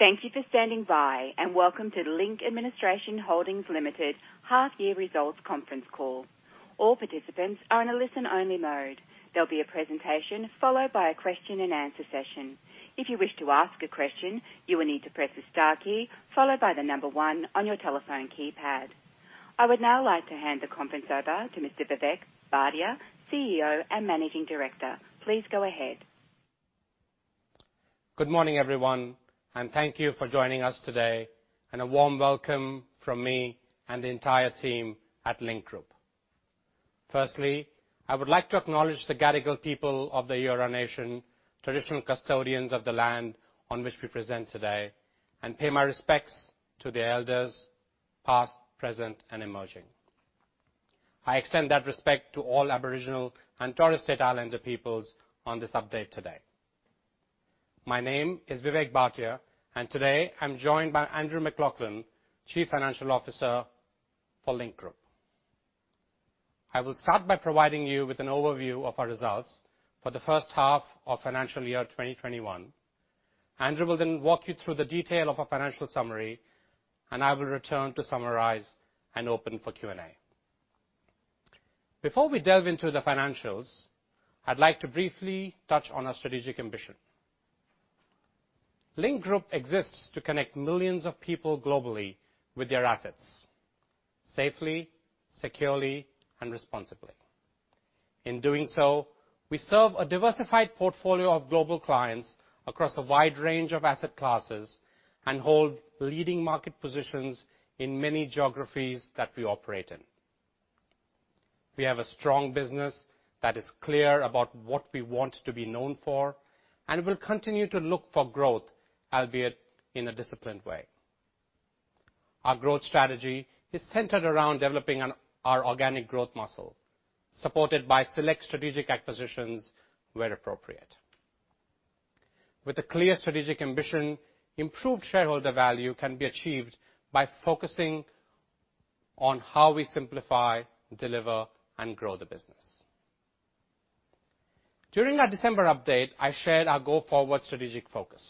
All participants are in a listen-only mode. There will be a presentation followed by a question and answer session. If you wish to ask a question, you will need to press the star key followed by the number one on your telephone keypad. I would now like to hand the conference over to Mr. Vivek Bhatia, CEO and Managing Director. Good morning, everyone, and thank you for joining us today, and a warm welcome from me and the entire team at Link Group. Firstly, I would like to acknowledge the Gadigal people of the Eora Nation, traditional custodians of the land on which we present today, and pay my respects to the elders past, present, and emerging. I extend that respect to all Aboriginal and Torres Strait Islander peoples on this update today. My name is Vivek Bhatia, and today I'm joined by Andrew MacLachlan, Chief Financial Officer for Link Group. I will start by providing you with an overview of our results for the first half of financial year 2021. Andrew will then walk you through the detail of our financial summary, and I will return to summarize and open for Q&A. Before we delve into the financials, I'd like to briefly touch on our strategic ambition. Link Group exists to connect millions of people globally with their assets safely, securely and responsibly. In doing so, we serve a diversified portfolio of global clients across a wide range of asset classes and hold leading market positions in many geographies that we operate in. We have a strong business that is clear about what we want to be known for, and will continue to look for growth, albeit in a disciplined way. Our growth strategy is centered around developing our organic growth muscle, supported by select strategic acquisitions where appropriate. With a clear strategic ambition, improved shareholder value can be achieved by focusing on how we simplify, deliver, and grow the business. During our December update, I shared our go-forward strategic focus.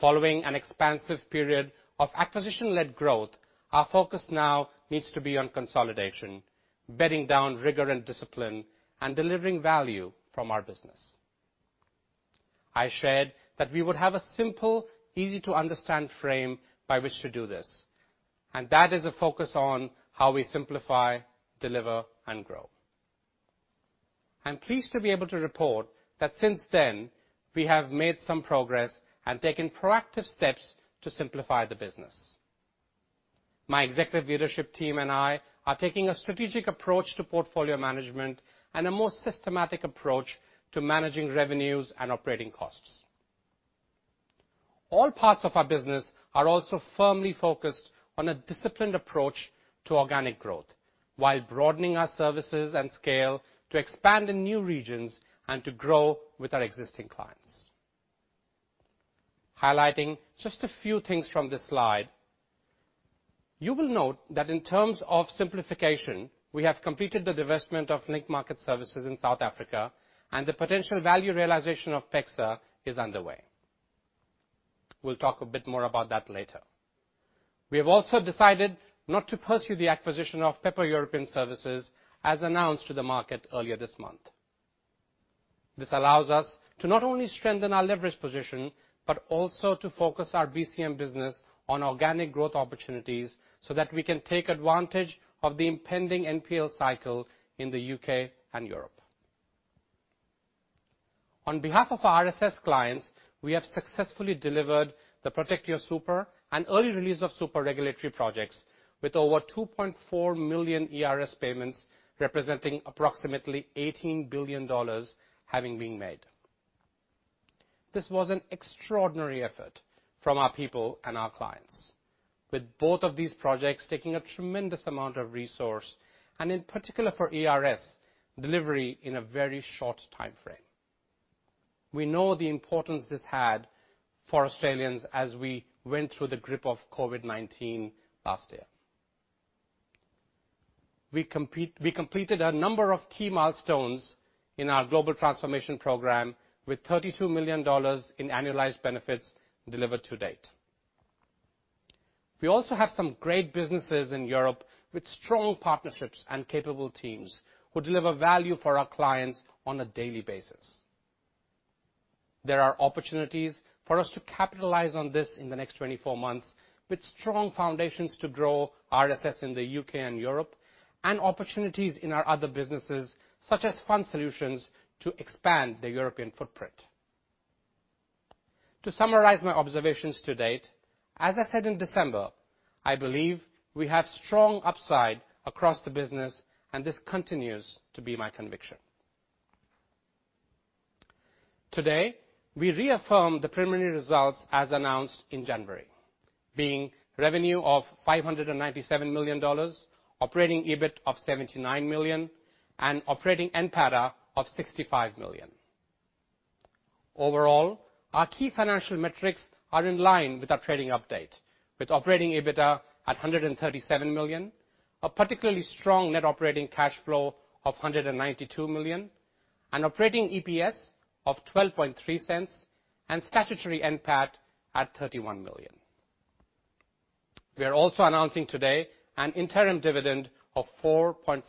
Following an expansive period of acquisition-led growth, our focus now needs to be on consolidation, bedding down rigor and discipline, and delivering value from our business. I shared that we would have a simple, easy-to-understand frame by which to do this, and that is a focus on how we simplify, deliver, and grow. I'm pleased to be able to report that since then, we have made some progress and taken proactive steps to simplify the business. My executive leadership team and I are taking a strategic approach to portfolio management and a more systematic approach to managing revenues and operating costs. All parts of our business are also firmly focused on a disciplined approach to organic growth while broadening our services and scale to expand in new regions and to grow with our existing clients. Highlighting just a few things from this slide. You will note that in terms of simplification, we have completed the divestment of Link Market Services in South Africa, and the potential value realization of PEXA is underway. We'll talk a bit more about that later. We have also decided not to pursue the acquisition of Pepper European Servicing as announced to the market earlier this month. This allows us to not only strengthen our leverage position, but also to focus our BCM business on organic growth opportunities so that we can take advantage of the impending NPL cycle in the U.K. and Europe. On behalf of our RSS clients, we have successfully delivered the Protecting Your Super and Early Release of Superannuation regulatory projects with over 2.4 million ERS payments, representing approximately 18 billion dollars having been made. This was an extraordinary effort from our people and our clients. With both of these projects taking a tremendous amount of resource, and in particular for ERS, delivery in a very short timeframe. We know the importance this had for Australians as we went through the grip of COVID-19 last year. We completed a number of key milestones in our global transformation program with 32 million dollars in annualized benefits delivered to date. We also have some great businesses in Europe with strong partnerships and capable teams who deliver value for our clients on a daily basis. There are opportunities for us to capitalize on this in the next 24 months, with strong foundations to grow RSS in the U.K. and Europe and opportunities in our other businesses, such as Fund Solutions, to expand the European footprint. To summarize my observations to date, as I said in December, I believe we have strong upside across the business and this continues to be my conviction. Today, we reaffirm the preliminary results as announced in January, being revenue of 597 million dollars, operating EBIT of 79 million, and operating NPATA of 65 million. Overall, our key financial metrics are in line with our trading update, with operating EBITDA at 137 million, a particularly strong net operating cash flow of 192 million. An operating EPS of 0.123 and statutory NPAT at 31 million. We are also announcing today an interim dividend of 0.045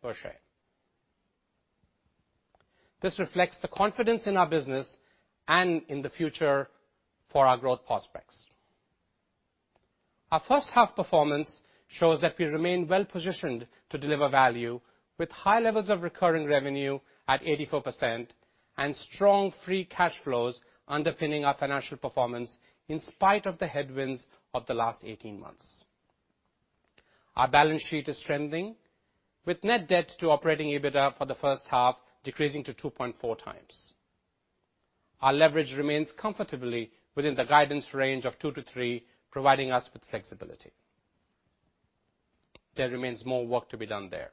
per share. This reflects the confidence in our business and in the future for our growth prospects. Our first half performance shows that we remain well-positioned to deliver value, with high levels of recurring revenue at 84% and strong free cash flows underpinning our financial performance in spite of the headwinds of the last 18 months. Our balance sheet is trending, with net debt to operating EBITDA for the first half decreasing to 2.4x. Our leverage remains comfortably within the guidance range of two to three, providing us with flexibility. There remains more work to be done there.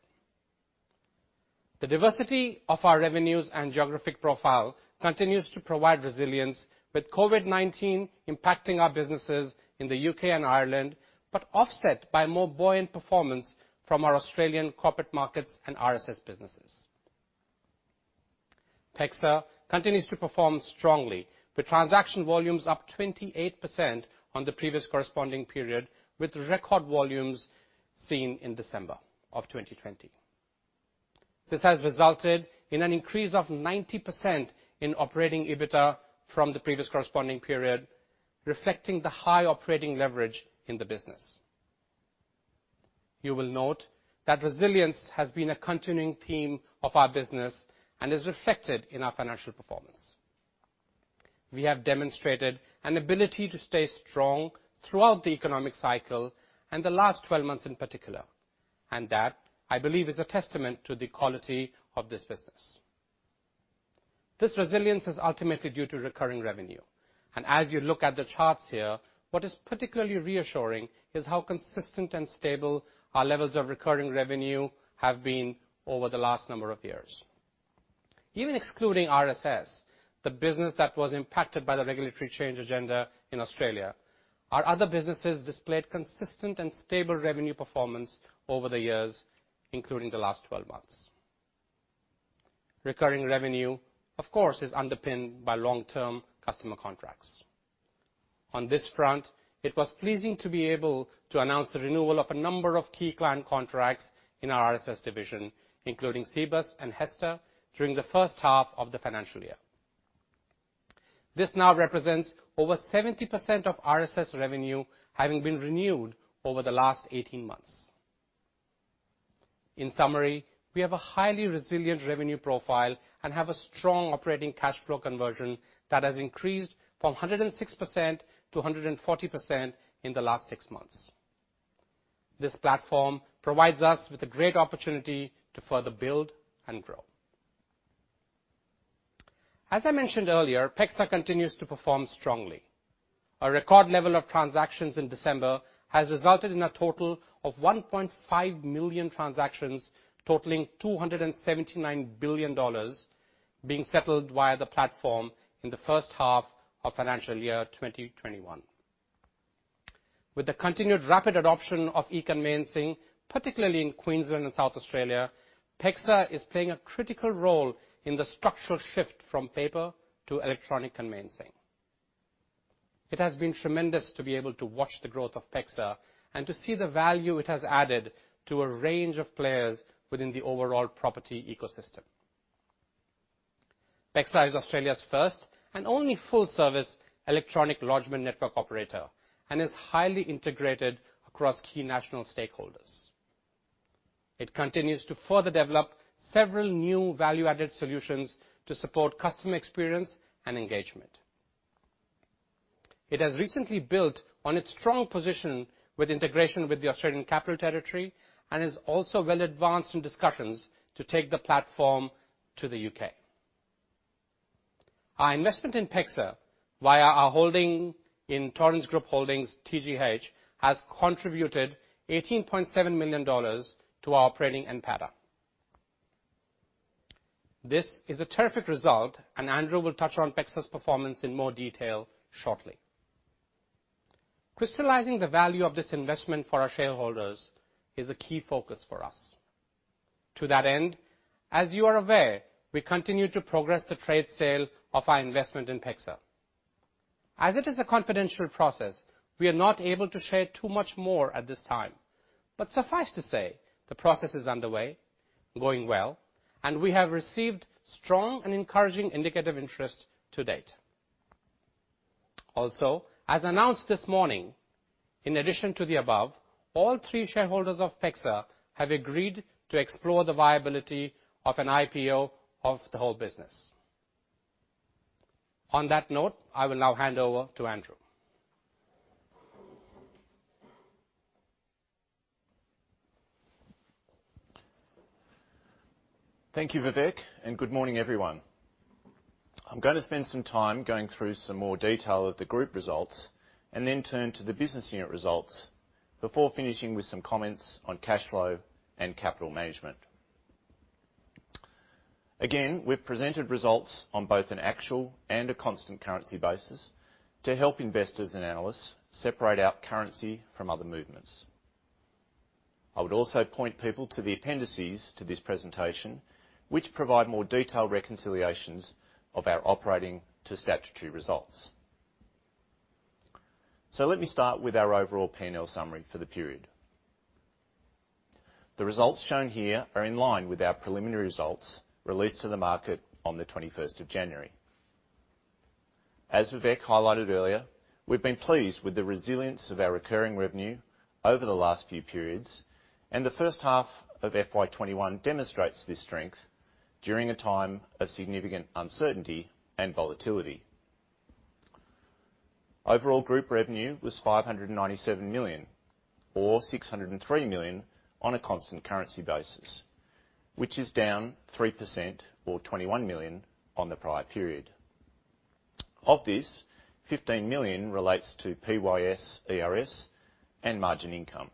The diversity of our revenues and geographic profile continues to provide resilience with COVID-19 impacting our businesses in the U.K. and Ireland, offset by more buoyant performance from our Australian corporate markets and RSS businesses. PEXA continues to perform strongly, with transaction volumes up 28% on the previous corresponding period, with record volumes seen in December of 2020. This has resulted in an increase of 90% in operating EBITDA from the previous corresponding period, reflecting the high operating leverage in the business. You will note that resilience has been a continuing theme of our business and is reflected in our financial performance. We have demonstrated an ability to stay strong throughout the economic cycle and the last 12 months in particular. That, I believe, is a testament to the quality of this business. This resilience is ultimately due to recurring revenue. As you look at the charts here, what is particularly reassuring is how consistent and stable our levels of recurring revenue have been over the last number of years. Even excluding RSS, the business that was impacted by the regulatory change agenda in Australia, our other businesses displayed consistent and stable revenue performance over the years, including the last 12 months. Recurring revenue, of course, is underpinned by long-term customer contracts. On this front, it was pleasing to be able to announce the renewal of a number of key client contracts in our RSS division, including Cbus and HESTA, during the first half of the financial year. This now represents over 70% of RSS revenue having been renewed over the last 18 months. In summary, we have a highly resilient revenue profile and have a strong operating cash flow conversion that has increased from 106% to 140% in the last six months. This platform provides us with a great opportunity to further build and grow. As I mentioned earlier, PEXA continues to perform strongly. A record level of transactions in December has resulted in a total of 1.5 million transactions totaling 279 billion dollars being settled via the platform in the first half of financial year 2021. With the continued rapid adoption of e-conveyancing, particularly in Queensland and South Australia, PEXA is playing a critical role in the structural shift from paper to electronic conveyancing. It has been tremendous to be able to watch the growth of PEXA and to see the value it has added to a range of players within the overall property ecosystem. PEXA is Australia's first and only full-service electronic lodgement network operator and is highly integrated across key national stakeholders. It continues to further develop several new value-added solutions to support customer experience and engagement. It has recently built on its strong position with integration with the Australian Capital Territory and is also well advanced in discussions to take the platform to the U.K. Our investment in PEXA via our holding in Torrens Group Holdings, TGH, has contributed 18.7 million dollars to our operating NPATA. This is a terrific result, Andrew will touch on PEXA's performance in more detail shortly. Crystallizing the value of this investment for our shareholders is a key focus for us. To that end, as you are aware, we continue to progress the trade sale of our investment in PEXA. As it is a confidential process, we are not able to share too much more at this time, but suffice to say, the process is underway, going well, and we have received strong and encouraging indicative interest to date. As announced this morning, in addition to the above, all three shareholders of PEXA have agreed to explore the viability of an IPO of the whole business. On that note, I will now hand over to Andrew. Thank you, Vivek. Good morning, everyone. I'm going to spend some time going through some more detail of the group results and then turn to the business unit results before finishing with some comments on cash flow and capital management. We've presented results on both an actual and a constant currency basis to help investors and analysts separate out currency from other movements. I would also point people to the appendices to this presentation, which provide more detailed reconciliations of our operating to statutory results. Let me start with our overall P&L summary for the period. The results shown here are in line with our preliminary results released to the market on the 21st of January. As Vivek highlighted earlier, we've been pleased with the resilience of our recurring revenue over the last few periods, the first half of FY 2021 demonstrates this strength during a time of significant uncertainty and volatility. Overall group revenue was 597 million, or 603 million on a constant currency basis, which is down 3%, or 21 million, on the prior period. Of this, 15 million relates to PYS and ERS and margin income.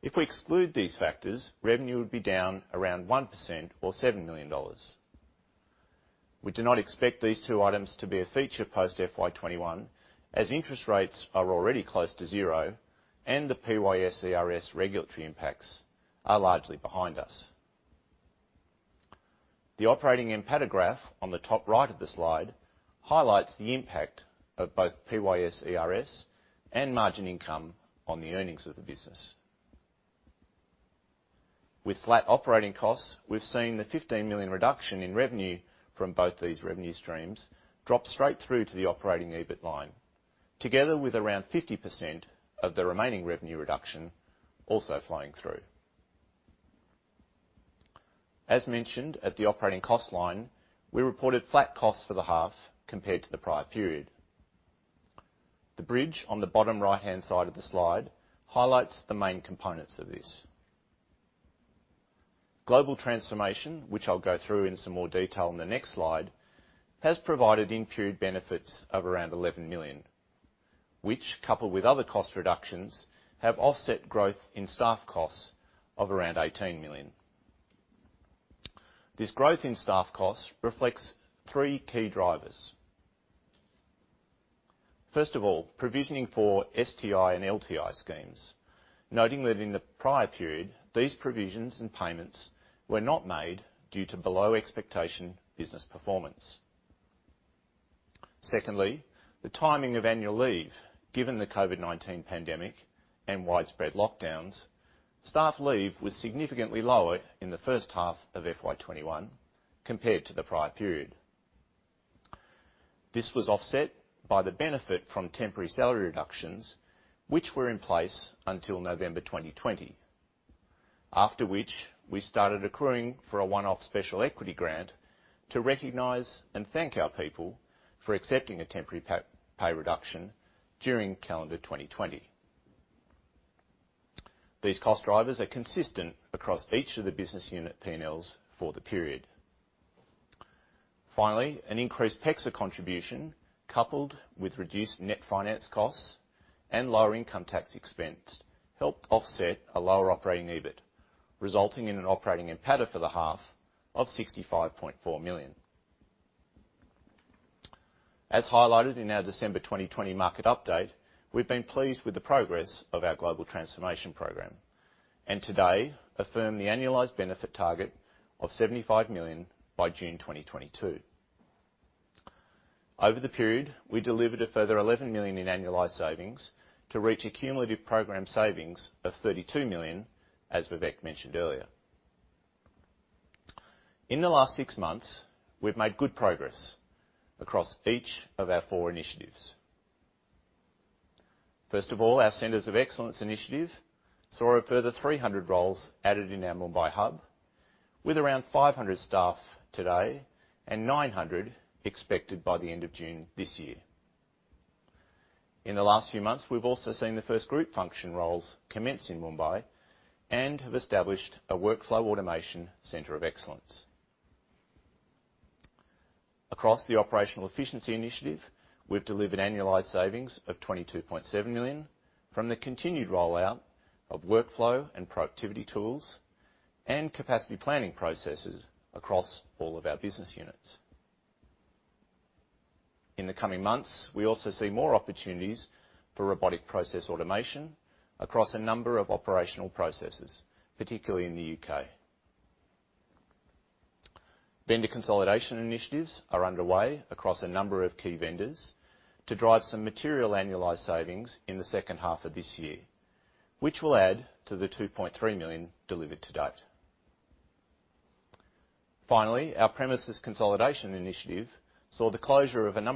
If we exclude these factors, revenue would be down around 1% or 7 million dollars. We do not expect these two items to be a feature post FY 2021, as interest rates are already close to zero and the PYS and ERS regulatory impacts are largely behind us. The operating NPATA graph on the top right of the slide highlights the impact of both PYS and ERS and margin income on the earnings of the business. With flat operating costs, we've seen the 15 million reduction in revenue from both these revenue streams drop straight through to the operating EBIT line, together with around 50% of the remaining revenue reduction also flowing through. As mentioned at the operating cost line, we reported flat costs for the half compared to the prior period. The bridge on the bottom right-hand side of the slide highlights the main components of this. Global transformation, which I'll go through in some more detail in the next slide, has provided in-period benefits of around 11 million, which, coupled with other cost reductions, have offset growth in staff costs of around 18 million. This growth in staff costs reflects three key drivers. First of all, provisioning for STI and LTI schemes, noting that in the prior period, these provisions and payments were not made due to below-expectation business performance. Secondly, the timing of annual leave. Given the COVID-19 pandemic and widespread lockdowns, staff leave was significantly lower in the first half of FY 2021 compared to the prior period. This was offset by the benefit from temporary salary reductions, which were in place until November 2020, after which we started accruing for a one-off special equity grant to recognize and thank our people for accepting a temporary pay reduction during calendar 2020. These cost drivers are consistent across each of the business unit P&Ls for the period. Finally, an increased PEXA contribution coupled with reduced net finance costs and lower income tax expense helped offset a lower operating EBIT, resulting in an operating NPATA for the half of 65.4 million. As highlighted in our December 2020 market update, we've been pleased with the progress of our global transformation program and today affirm the annualized benefit target of 75 million by June 2022. Over the period, we delivered a further 11 million in annualized savings to reach a cumulative program savings of 32 million, as Vivek mentioned earlier. In the last six months, we've made good progress across each of our four initiatives. First of all, our Centers of Excellence initiative saw a further 300 roles added in our Mumbai hub, with around 500 staff today and 900 expected by the end of June this year. In the last few months, we've also seen the first group function roles commence in Mumbai and have established a workflow automation Center of Excellence. Across the Operational Efficiency initiative, we've delivered annualized savings of 22.7 million from the continued rollout of workflow and productivity tools and capacity planning processes across all of our business units. In the coming months, we also see more opportunities for robotic process automation across a number of operational processes, particularly in the U.K. Vendor consolidation initiatives are underway across a number of key vendors to drive some material annualized savings in the second half of this year, which will add to the 2.3 million delivered to date. Finally, our premises consolidation initiative saw the closure of our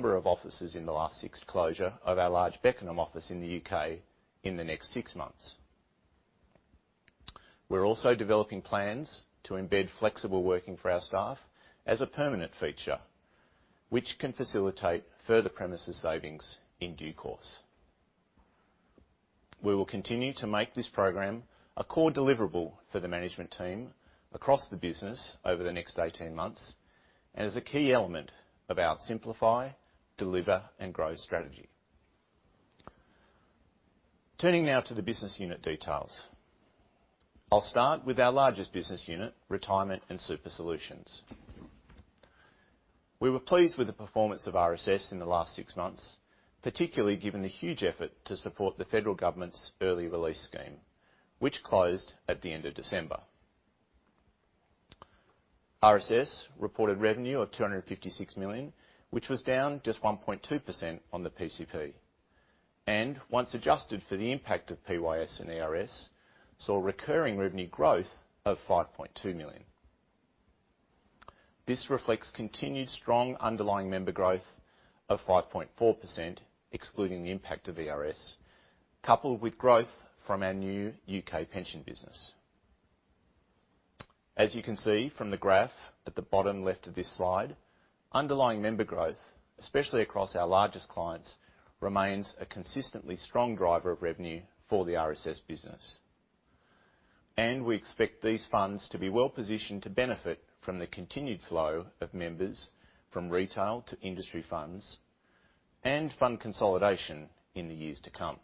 large Beckenham office in the U.K. in the next six months. We're also developing plans to embed flexible working for our staff as a permanent feature, which can facilitate further premises savings in due course. We will continue to make this program a core deliverable for the management team across the business over the next 18 months and is a key element of our simplify, deliver, and grow strategy. Turning now to the business unit details. I'll start with our largest business unit, Retirement and Superannuation Solutions. We were pleased with the performance of RSS in the last six months, particularly given the huge effort to support the federal government's Early Release of Superannuation, which closed at the end of December. RSS reported revenue of 256 million, which was down just 1.2% on the PCP. Once adjusted for the impact of PYS and ERS, saw recurring revenue growth of 5.2 million. This reflects continued strong underlying member growth of 5.4%, excluding the impact of ERS, coupled with growth from our new U.K. pension business. As you can see from the graph at the bottom left of this slide, underlying member growth, especially across our largest clients, remains a consistently strong driver of revenue for the RSS business. We expect these funds to be well-positioned to benefit from the continued flow of members from retail to industry funds and fund consolidation in the years to come.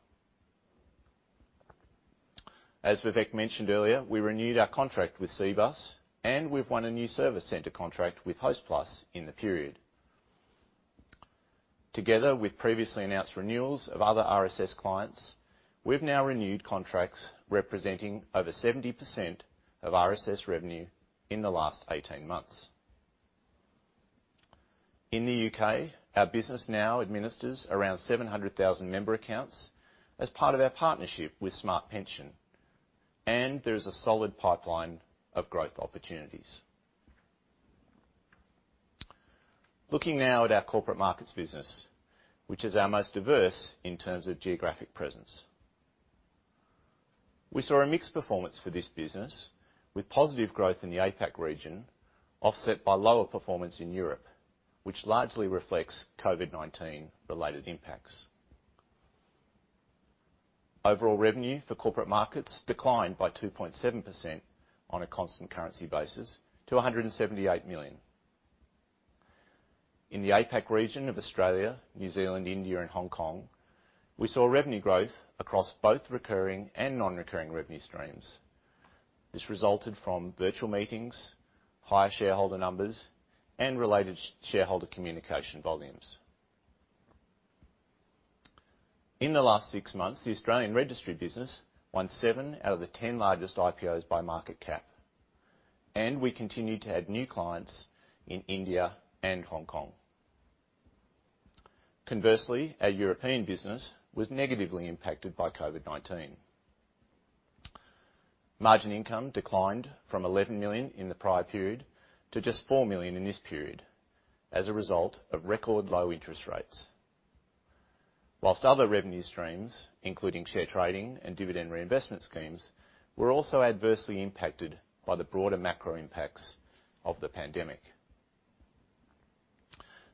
As Vivek mentioned earlier, we renewed our contract with Cbus, and we've won a new service center contract with Hostplus in the period. Together with previously announced renewals of other RSS clients, we've now renewed contracts representing over 70% of RSS revenue in the last 18 months. In the U.K., our business now administers around 700,000 member accounts as part of our partnership with Smart Pension, and there is a solid pipeline of growth opportunities. Looking now at our corporate markets business, which is our most diverse in terms of geographic presence. We saw a mixed performance for this business, with positive growth in the APAC region, offset by lower performance in Europe, which largely reflects COVID-19 related impacts. Overall revenue for corporate markets declined by 2.7% on a constant currency basis to 178 million. In the APAC region of Australia, New Zealand, India and Hong Kong, we saw revenue growth across both recurring and non-recurring revenue streams. This resulted from virtual meetings, higher shareholder numbers, and related shareholder communication volumes. In the last six months, the Australian registry business won seven out of the 10 largest IPOs by market cap, and we continued to add new clients in India and Hong Kong. Conversely, our European business was negatively impacted by COVID-19. Margin income declined from 11 million in the prior period to just four million in this period as a result of record low interest rates. Other revenue streams, including share trading and dividend reinvestment schemes, were also adversely impacted by the broader macro impacts of the pandemic.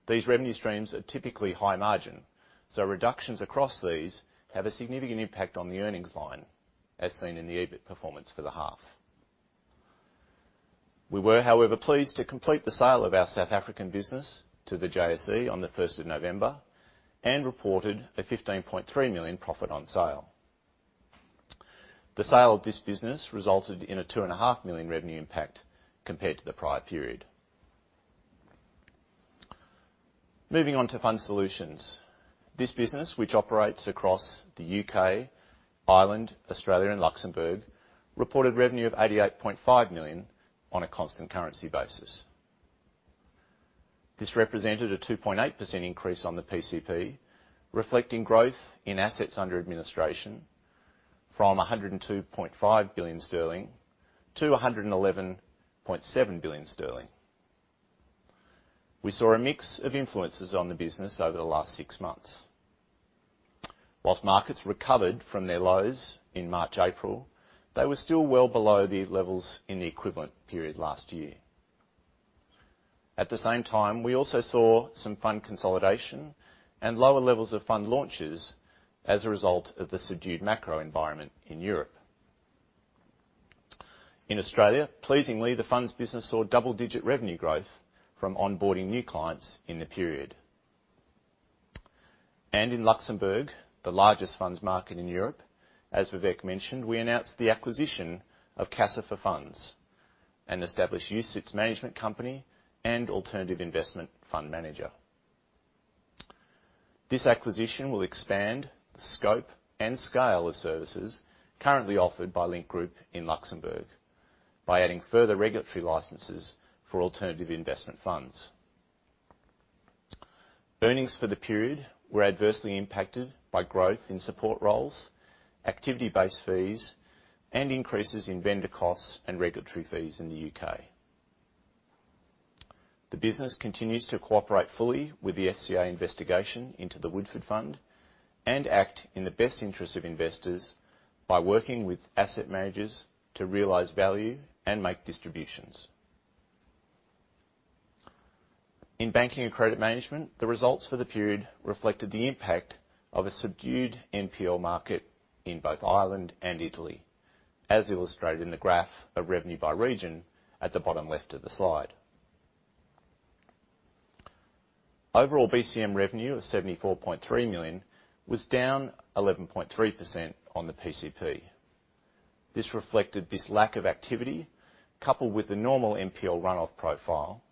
These revenue streams are typically high margin, so reductions across these have a significant impact on the earnings line, as seen in the EBIT performance for the half. We were, however, pleased to complete the sale of our South African business to the JSE on the first of November and reported a 15.3 million profit on sale. The sale of this business resulted in a two and a half million revenue impact compared to the prior period. Moving on to Fund Solutions. This business, which operates across the U.K., Ireland, Australia, and Luxembourg, reported revenue of 88.5 million on a constant currency basis. This represented a 2.8% increase on the PCP, reflecting growth in assets under administration from 102.5 billion sterling to 111.7 billion sterling. We saw a mix of influences on the business over the last six months. Whilst markets recovered from their lows in March, April, they were still well below the levels in the equivalent period last year. At the same time, we also saw some fund consolidation and lower levels of fund launches as a result of the subdued macro environment in Europe. In Australia, pleasingly, the funds business saw double-digit revenue growth from onboarding new clients in the period. In Luxembourg, the largest funds market in Europe, as Vivek mentioned, we announced the acquisition of Casa4Funds, an established UCITS management company and alternative investment fund manager. This acquisition will expand the scope and scale of services currently offered by Link Group in Luxembourg by adding further regulatory licenses for alternative investment funds. Earnings for the period were adversely impacted by growth in support roles, activity-based fees, and increases in vendor costs and regulatory fees in the U.K. The business continues to cooperate fully with the FCA investigation into the Woodford fund and act in the best interest of investors by working with asset managers to realize value and make distributions. In Banking and Credit Management, the results for the period reflected the impact of a subdued NPL market in both Ireland and Italy, as illustrated in the graph of revenue by region at the bottom left of the slide. Overall BCM revenue of 74.3 million was down 11.3% on the PCP. This reflected this lack of activity, coupled with the normal NPL runoff profile,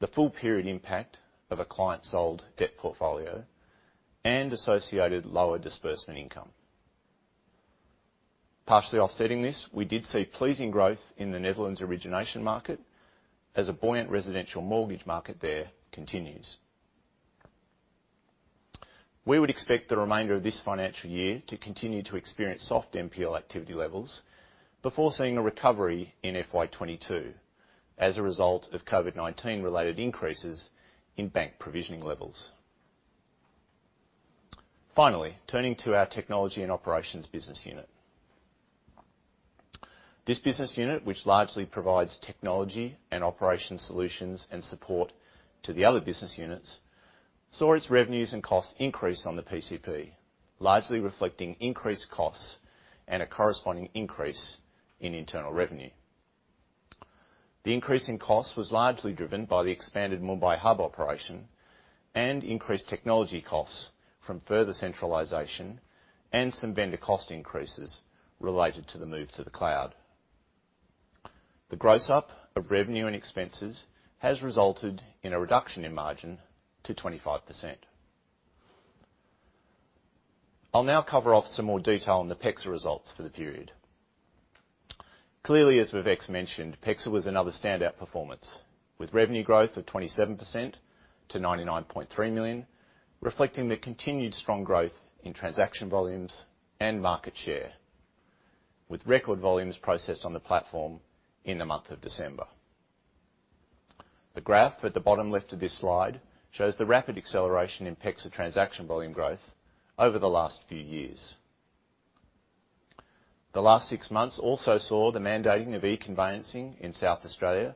the full-period impact of a client-sold debt portfolio, and associated lower disbursement income. Partially offsetting this, we did see pleasing growth in the Netherlands origination market as a buoyant residential mortgage market there continues. We would expect the remainder of this financial year to continue to experience soft NPL activity levels before seeing a recovery in FY 2022 as a result of COVID-19 related increases in bank provisioning levels. Finally, turning to our Technology and Operations business unit. This business unit, which largely provides technology and operation solutions and support to the other business units, saw its revenues and costs increase on the PCP, largely reflecting increased costs and a corresponding increase in internal revenue. The increase in costs was largely driven by the expanded Mumbai hub operation and increased technology costs from further centralization and some vendor cost increases related to the move to the cloud. The gross up of revenue and expenses has resulted in a reduction in margin to 25%. I will now cover off some more detail on the PEXA results for the period. Clearly, as Vivek mentioned, PEXA was another standout performance, with revenue growth of 27% to 99.3 million, reflecting the continued strong growth in transaction volumes and market share, with record volumes processed on the platform in the month of December. The graph at the bottom left of this slide shows the rapid acceleration in PEXA transaction volume growth over the last few years. The last six months also saw the mandating of e-conveyancing in South Australia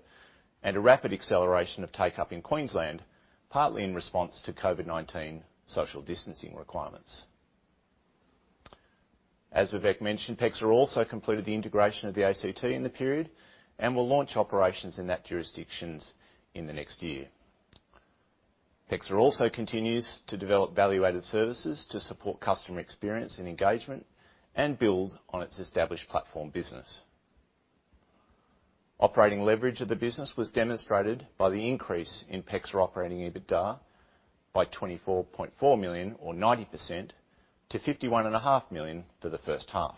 and a rapid acceleration of take-up in Queensland, partly in response to COVID-19 social distancing requirements. As Vivek mentioned, PEXA also completed the integration of the ACT in the period and will launch operations in that jurisdictions in the next year. PEXA also continues to develop value-added services to support customer experience and engagement and build on its established platform business. Operating leverage of the business was demonstrated by the increase in PEXA operating EBITDA by 24.4 million or 90% to 51.5 million for the first half.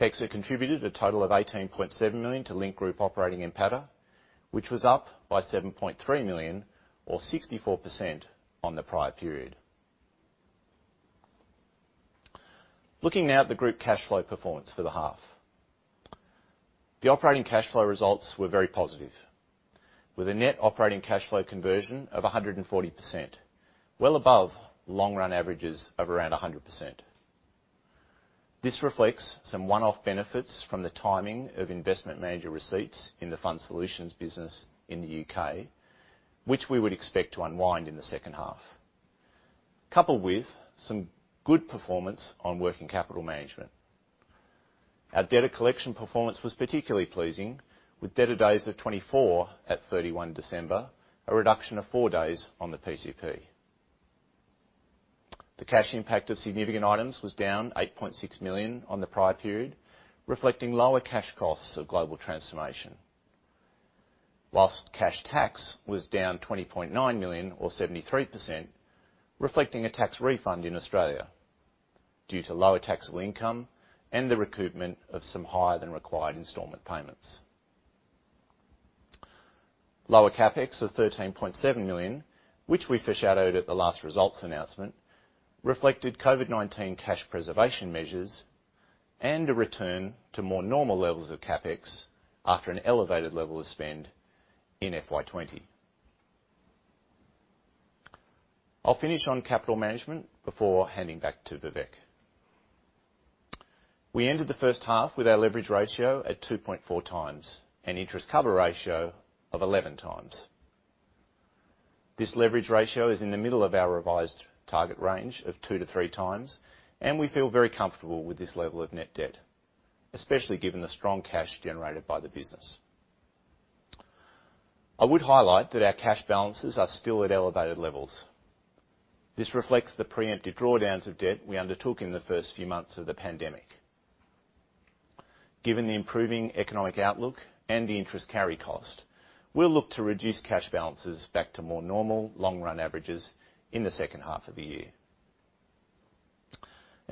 PEXA contributed a total of 18.7 million to Link Group operating NPATA, which was up by 7.3 million or 64% on the prior period. Looking now at the group cash flow performance for the half. The operating cash flow results were very positive, with a net operating cash flow conversion of 140%, well above long-run averages of around 100%. This reflects some one-off benefits from the timing of investment manager receipts in the fund solutions business in the U.K., which we would expect to unwind in the second half, coupled with some good performance on working capital management. Our debtor collection performance was particularly pleasing with debtor days of 24 at 31st December, a reduction of four days on the PCP. The cash impact of significant items was down 8.6 million on the prior period, reflecting lower cash costs of global transformation. Cash tax was down 20.9 million or 73%, reflecting a tax refund in Australia due to lower taxable income and the recoupment of some higher than required installment payments. Lower CapEx of 13.7 million, which we foreshadowed at the last results announcement, reflected COVID-19 cash preservation measures and a return to more normal levels of CapEx after an elevated level of spend in FY 2020. I'll finish on capital management before handing back to Vivek. We ended the first half with our leverage ratio at 2.4x, an interest cover ratio of 11x. This leverage ratio is in the middle of our revised target range of two to three times. We feel very comfortable with this level of net debt, especially given the strong cash generated by the business. I would highlight that our cash balances are still at elevated levels. This reflects the preemptive drawdowns of debt we undertook in the first few months of the pandemic. Given the improving economic outlook and the interest carry cost, we will look to reduce cash balances back to more normal long-run averages in the second half of the year.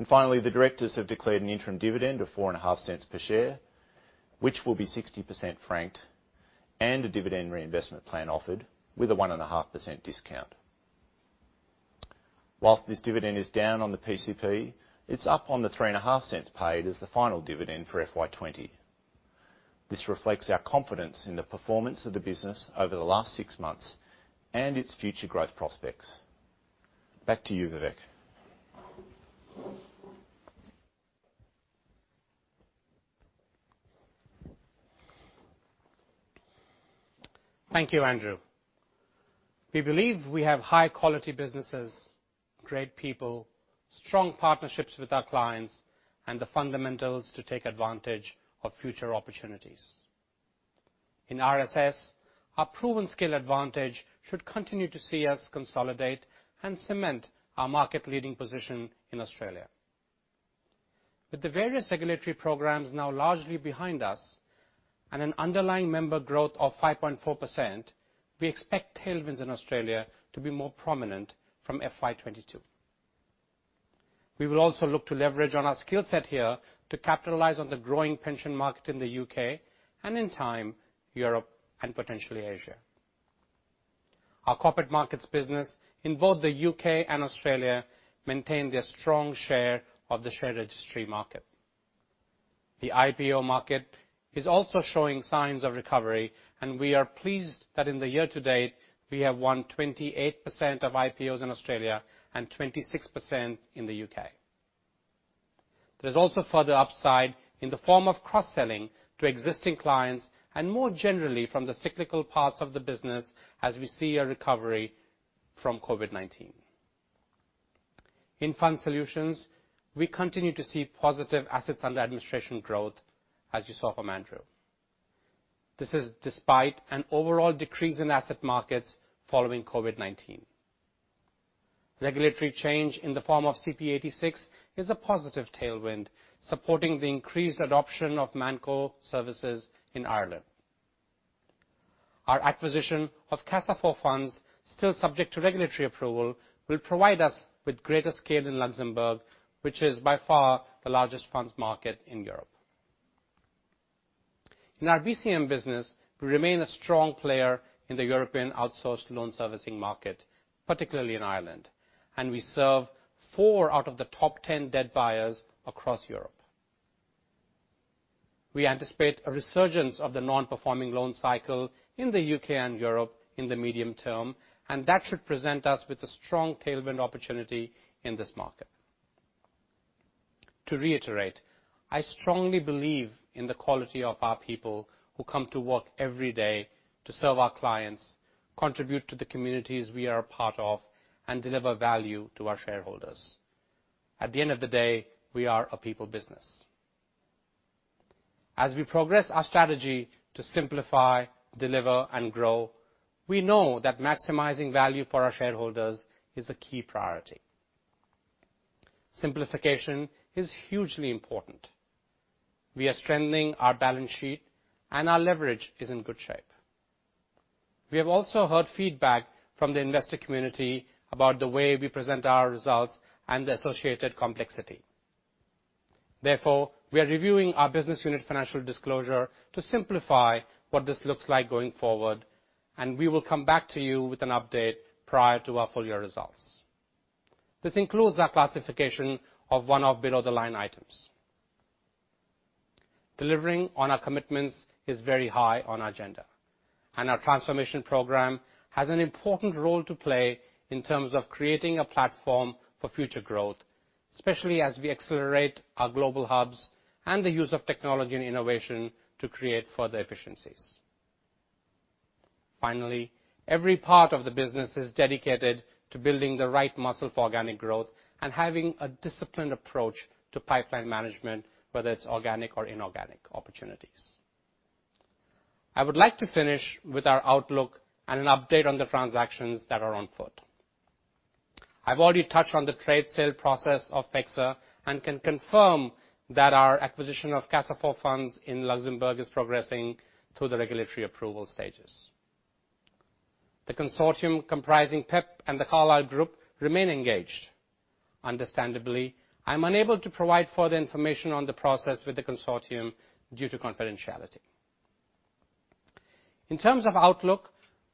Finally, the directors have declared an interim dividend of 0.045 per share, which will be 60% franked, and a dividend reinvestment plan offered with a 1.5% discount. While this dividend is down on the PCP, it is up on the 0.035 paid as the final dividend for FY 2020. This reflects our confidence in the performance of the business over the last six months and its future growth prospects. Back to you, Vivek. Thank you, Andrew. We believe we have high-quality businesses, great people, strong partnerships with our clients, and the fundamentals to take advantage of future opportunities. In RSS, our proven scale advantage should continue to see us consolidate and cement our market-leading position in Australia. With the various regulatory programs now largely behind us and an underlying member growth of 5.4%, we expect tailwinds in Australia to be more prominent from FY 2022. We will also look to leverage on our skill set here to capitalize on the growing pension market in the U.K., and in time, Europe and potentially Asia. Our corporate markets business in both the U.K. and Australia maintain their strong share of the share registry market. The IPO market is also showing signs of recovery, and we are pleased that in the year to date, we have won 28% of IPOs in Australia and 26% in the U.K. There is also further upside in the form of cross-selling to existing clients and more generally from the cyclical parts of the business as we see a recovery from COVID-19. In fund solutions, we continue to see positive assets under administration growth, as you saw from Andrew. This is despite an overall decrease in asset markets following COVID-19. Regulatory change in the form of CP86 is a positive tailwind, supporting the increased adoption of ManCo services in Ireland. Our acquisition of Casa4Funds, still subject to regulatory approval, will provide us with greater scale in Luxembourg, which is by far the largest funds market in Europe. In our BCM business, we remain a strong player in the European outsourced loan servicing market, particularly in Ireland, and we serve four out of the top 10 debt buyers across Europe. We anticipate a resurgence of the non-performing loan cycle in the U.K. and Europe in the medium term, and that should present us with a strong tailwind opportunity in this market. To reiterate, I strongly believe in the quality of our people who come to work every day to serve our clients, contribute to the communities we are a part of, and deliver value to our shareholders. At the end of the day, we are a people business. As we progress our strategy to simplify, deliver, and grow, we know that maximizing value for our shareholders is a key priority. Simplification is hugely important. We are strengthening our balance sheet, and our leverage is in good shape. We have also heard feedback from the investor community about the way we present our results and the associated complexity. Therefore, we are reviewing our business unit financial disclosure to simplify what this looks like going forward, and we will come back to you with an update prior to our full-year results. This includes our classification of one-off below-the-line items. Delivering on our commitments is very high on our agenda, and our transformation program has an important role to play in terms of creating a platform for future growth, especially as we accelerate our global hubs and the use of technology and innovation to create further efficiencies. Finally, every part of the business is dedicated to building the right muscle for organic growth and having a disciplined approach to pipeline management, whether it's organic or inorganic opportunities. I would like to finish with our outlook and an update on the transactions that are on foot. I've already touched on the trade sale process of PEXA and can confirm that our acquisition of Casa4Funds in Luxembourg is progressing through the regulatory approval stages. The consortium comprising PIP and The Carlyle Group remain engaged. Understandably, I'm unable to provide further information on the process with the consortium due to confidentiality. In terms of outlook,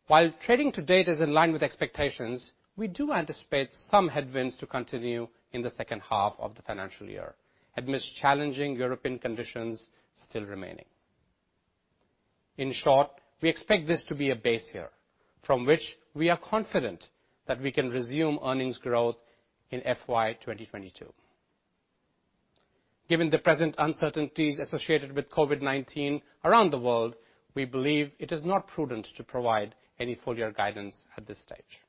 while trading to date is in line with expectations, we do anticipate some headwinds to continue in the second half of the financial year amidst challenging European conditions still remaining. In short, we expect this to be a base year from which we are confident that we can resume earnings growth in FY 2022. Given the present uncertainties associated with COVID-19 around the world, we believe it is not prudent to provide any full-year guidance at this stage.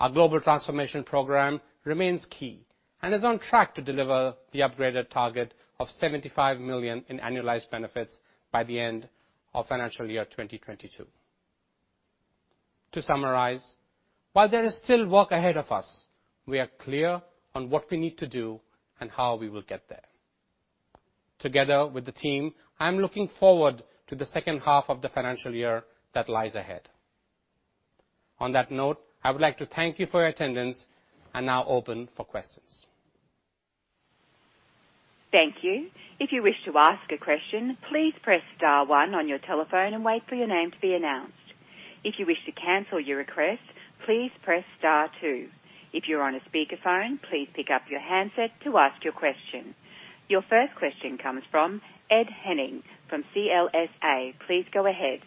Our global transformation program remains key and is on track to deliver the upgraded target of 75 million in annualized benefits by the end of FY 2022. To summarize, while there is still work ahead of us, we are clear on what we need to do and how we will get there. Together with the team, I am looking forward to the second half of the financial year that lies ahead. On that note, I would like to thank you for your attendance and now open for questions. Thank you. If you wish to ask a question, please press star one on your telephone and wait for your name to be announced. If you wish to cancel your request, please press star two. If you are on a speakerphone, please pick up your handset to ask your question. Your first question comes from Ed Henning from CLSA. Please go ahead.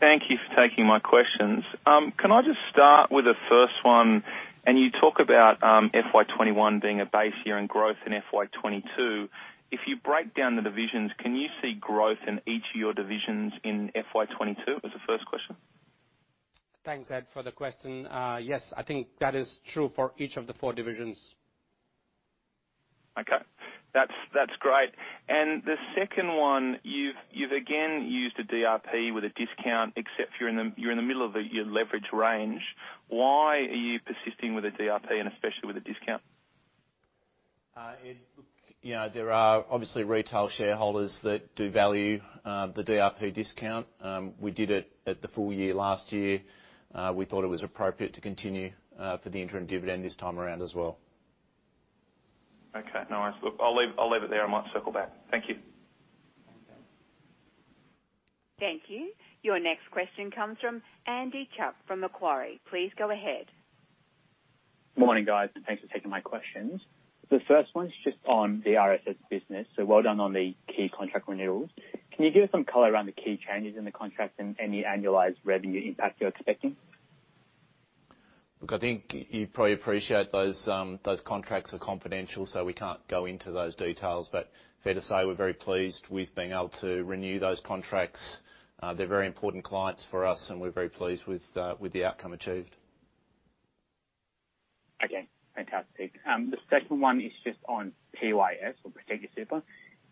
Thank you for taking my questions. Can I just start with the first one? You talk about FY 2021 being a base year in growth in FY 2022. If you break down the divisions, can you see growth in each of your divisions in FY 2022? Was the first question. Thanks, Ed, for the question. Yes, I think that is true for each of the four divisions. Okay. That's great. The second one, you've again used a DRP with a discount, except you're in the middle of your leverage range. Why are you persisting with a DRP and especially with a discount? Ed, look, there are obviously retail shareholders that do value the DRP discount. We did it at the full year last year. We thought it was appropriate to continue for the interim dividend this time around as well. Okay. No worries. Look, I'll leave it there. I might circle back. Thank you. Okay. Thank you. Your next question comes from Andrei Stadnik from Macquarie. Please go ahead. Morning, guys, thanks for taking my questions. The first one is just on the RSS business. Well done on the key contract renewals. Can you give us some color around the key changes in the contracts and any annualized revenue impact you're expecting? Look, I think you probably appreciate those contracts are confidential. We can't go into those details. Fair to say, we're very pleased with being able to renew those contracts. They're very important clients for us. We're very pleased with the outcome achieved. Okay. Fantastic. The second one is just on PYS or Protecting Your Super.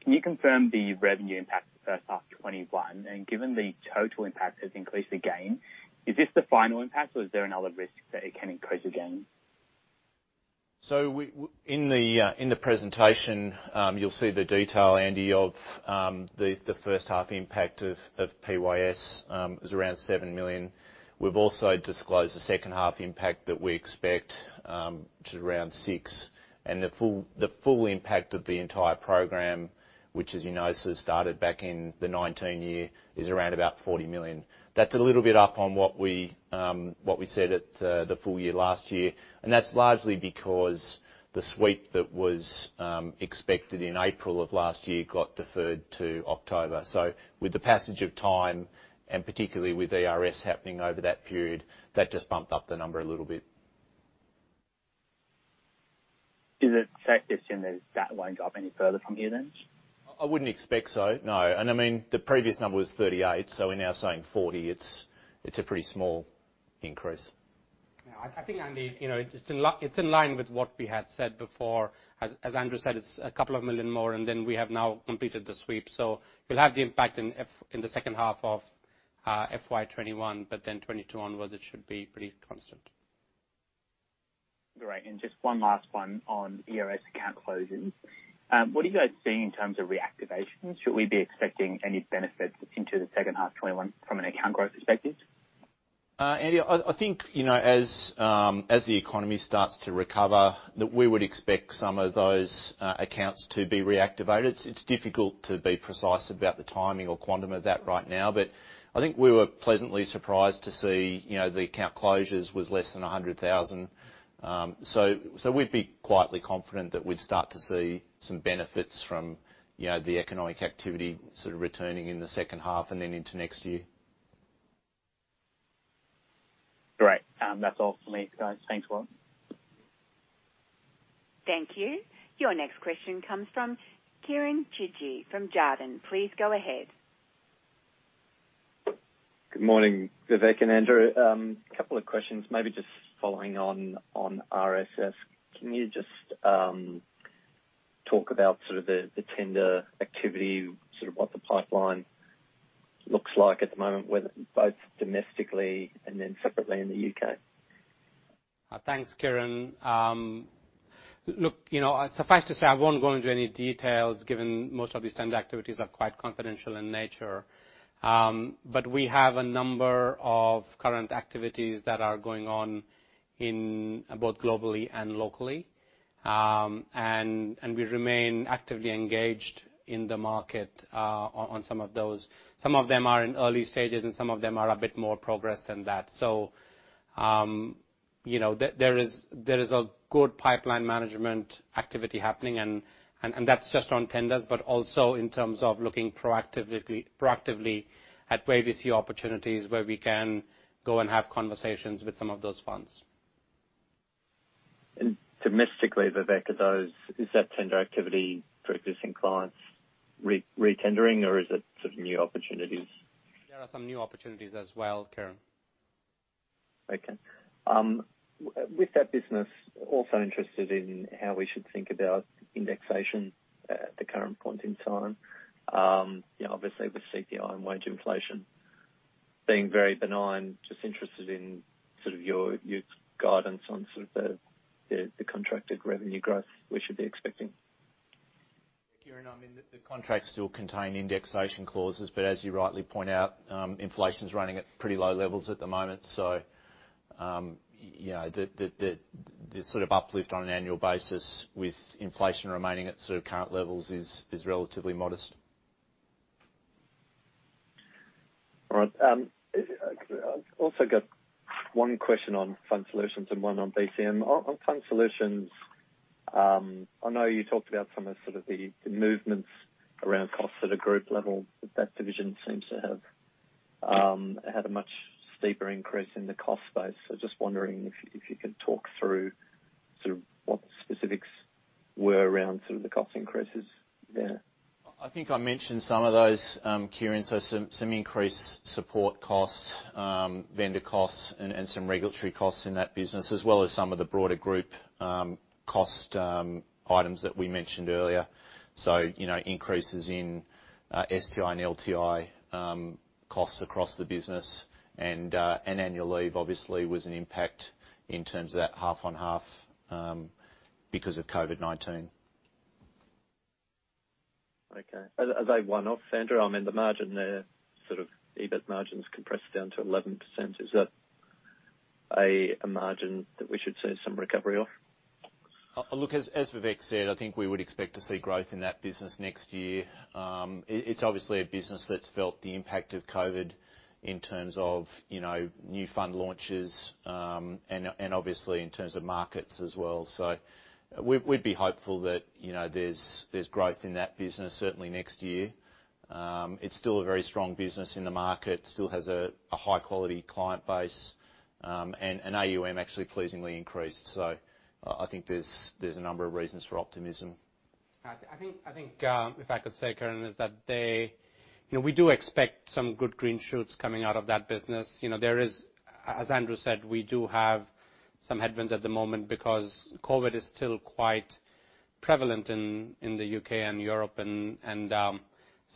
Can you confirm the revenue impact for first half 2021? Given the total impact has increased again, is this the final impact, or is there another risk that it can increase again? In the presentation, you'll see the detail, Andy, of the first half impact of PYS. It was around 7 million. We've also disclosed the second half impact that we expect, which is around 6 million. The full impact of the entire program, which as you know, started back in the 2019 year, is around about 40 million. That's a little bit up on what we said at the full year last year, and that's largely because the sweep that was expected in April of last year got deferred to October. With the passage of time, and particularly with ERS happening over that period, that just bumped up the number a little bit. Is it a fair assumption that that won't go up any further from here, then? I wouldn't expect so, no. The previous number was 38, so we're now saying 40. It's a pretty small increase. I think, Andy, it's in line with what we had said before. As Andrew said, it's a couple of million more. We have now completed the sweep. We'll have the impact in the second half of FY 2021, 2022 onwards, it should be pretty constant. Great. Just one last one on ERS account closings. What are you guys seeing in terms of reactivation? Should we be expecting any benefits into the second half 2021 from an account growth perspective? Andy, I think, as the economy starts to recover, that we would expect some of those accounts to be reactivated. It's difficult to be precise about the timing or quantum of that right now. I think we were pleasantly surprised to see the account closures was less than 100,000. We'd be quietly confident that we'd start to see some benefits from the economic activity sort of returning in the second half and then into next year. Great. That's all from me, guys. Thanks a lot. Thank you. Your next question comes from Kieren Chidgey from Jarden. Please go ahead. Good morning, Vivek and Andrew. Couple of questions, maybe just following on RSS, can you just talk about sort of the tender activity, sort of what the pipeline looks like at the moment, both domestically and then separately in the U.K.? Thanks, Kieren. Look, suffice to say, I won't go into any details given most of these tender activities are quite confidential in nature. We have a number of current activities that are going on in both globally and locally. We remain actively engaged in the market on some of those. Some of them are in early stages, and some of them are a bit more progressed than that. There is a good pipeline management activity happening, and that's just on tenders, but also in terms of looking proactively at where we see opportunities where we can go and have conversations with some of those funds. Domestically, Vivek, is that tender activity for existing clients re-tendering, or is it sort of new opportunities? There are some new opportunities as well, Kieren. With that business, also interested in how we should think about indexation at the current point in time. Obviously, with CPI and wage inflation being very benign, just interested in sort of your guidance on sort of the contracted revenue growth we should be expecting. Kieren, the contracts still contain indexation clauses. As you rightly point out, inflation's running at pretty low levels at the moment. The sort of uplift on an annual basis with inflation remaining at sort of current levels is relatively modest. All right. I've also got one question on Fund Solutions and one on BCM. On Fund Solutions, I know you talked about some of sort of the movements around costs at a group level. That division seems to have had a much steeper increase in the cost base. Just wondering if you could talk through sort of what specifics were around sort of the cost increases, yeah. I think I mentioned some of those, Kieren. Some increased support costs, vendor costs and some regulatory costs in that business, as well as some of the broader group cost items that we mentioned earlier. Increases in STI and LTI costs across the business. Annual leave obviously was an impact in terms of that half on half because of COVID-19. Okay. Are they one-off, Andrew? I mean, the margin there, sort of EBIT margins compressed down to 11%. Is that a margin that we should see some recovery off? Look, as Vivek said, I think we would expect to see growth in that business next year. It's obviously a business that's felt the impact of COVID in terms of new fund launches, and obviously in terms of markets as well. We'd be hopeful that there's growth in that business certainly next year. It's still a very strong business in the market, still has a high-quality client base. AUM actually pleasingly increased. I think there's a number of reasons for optimism. I think, if I could say, Kieren, is that we do expect some good green shoots coming out of that business. There is, as Andrew said, we do have some headwinds at the moment because COVID-19 is still quite prevalent in the U.K. and Europe and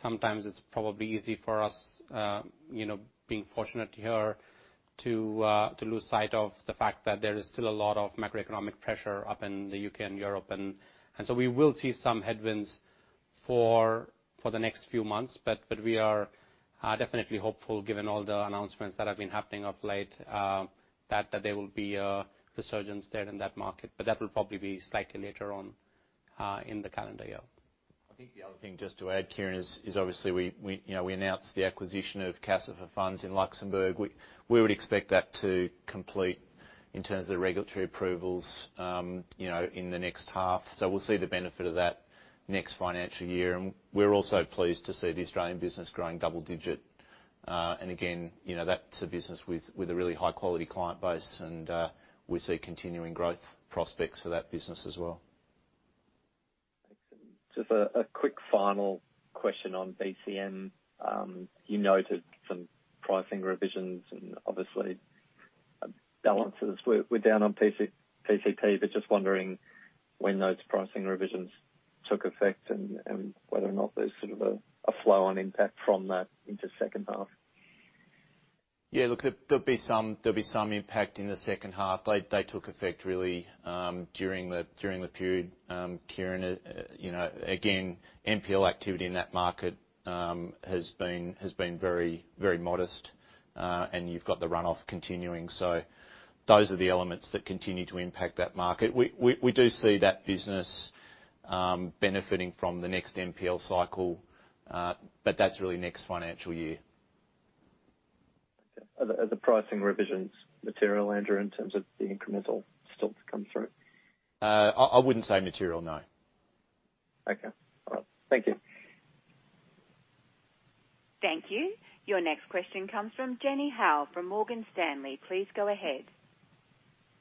sometimes it's probably easy for us, being fortunate here, to lose sight of the fact that there is still a lot of macroeconomic pressure up in the U.K. and Europe. We will see some headwinds for the next few months. We are definitely hopeful, given all the announcements that have been happening of late, that there will be a resurgence there in that market. That will probably be slightly later on in the calendar year. I think the other thing just to add, Kieren, is obviously we announced the acquisition of CACEIS Funds in Luxembourg. We would expect that to complete in terms of the regulatory approvals in the next half. We'll see the benefit of that next financial year. We're also pleased to see the Australian business growing double digit. Again, that's a business with a really high-quality client base and we see continuing growth prospects for that business as well. Just a quick final question on BCM. You noted some pricing revisions and obviously balances were down on PCP. Just wondering when those pricing revisions took effect and whether or not there's sort of a flow-on impact from that into second half. Yeah, look, there'll be some impact in the second half. They took effect really during the period, Kieren. NPL activity in that market has been very modest. You've got the runoff continuing. Those are the elements that continue to impact that market. We do see that business benefiting from the next NPL cycle, that's really next financial year. Are the pricing revisions material, Andrew, in terms of the incremental stock to come through? I wouldn't say material, no. Okay. All right. Thank you. Thank you. Your next question comes from Jenny Hau from Morgan Stanley. Please go ahead.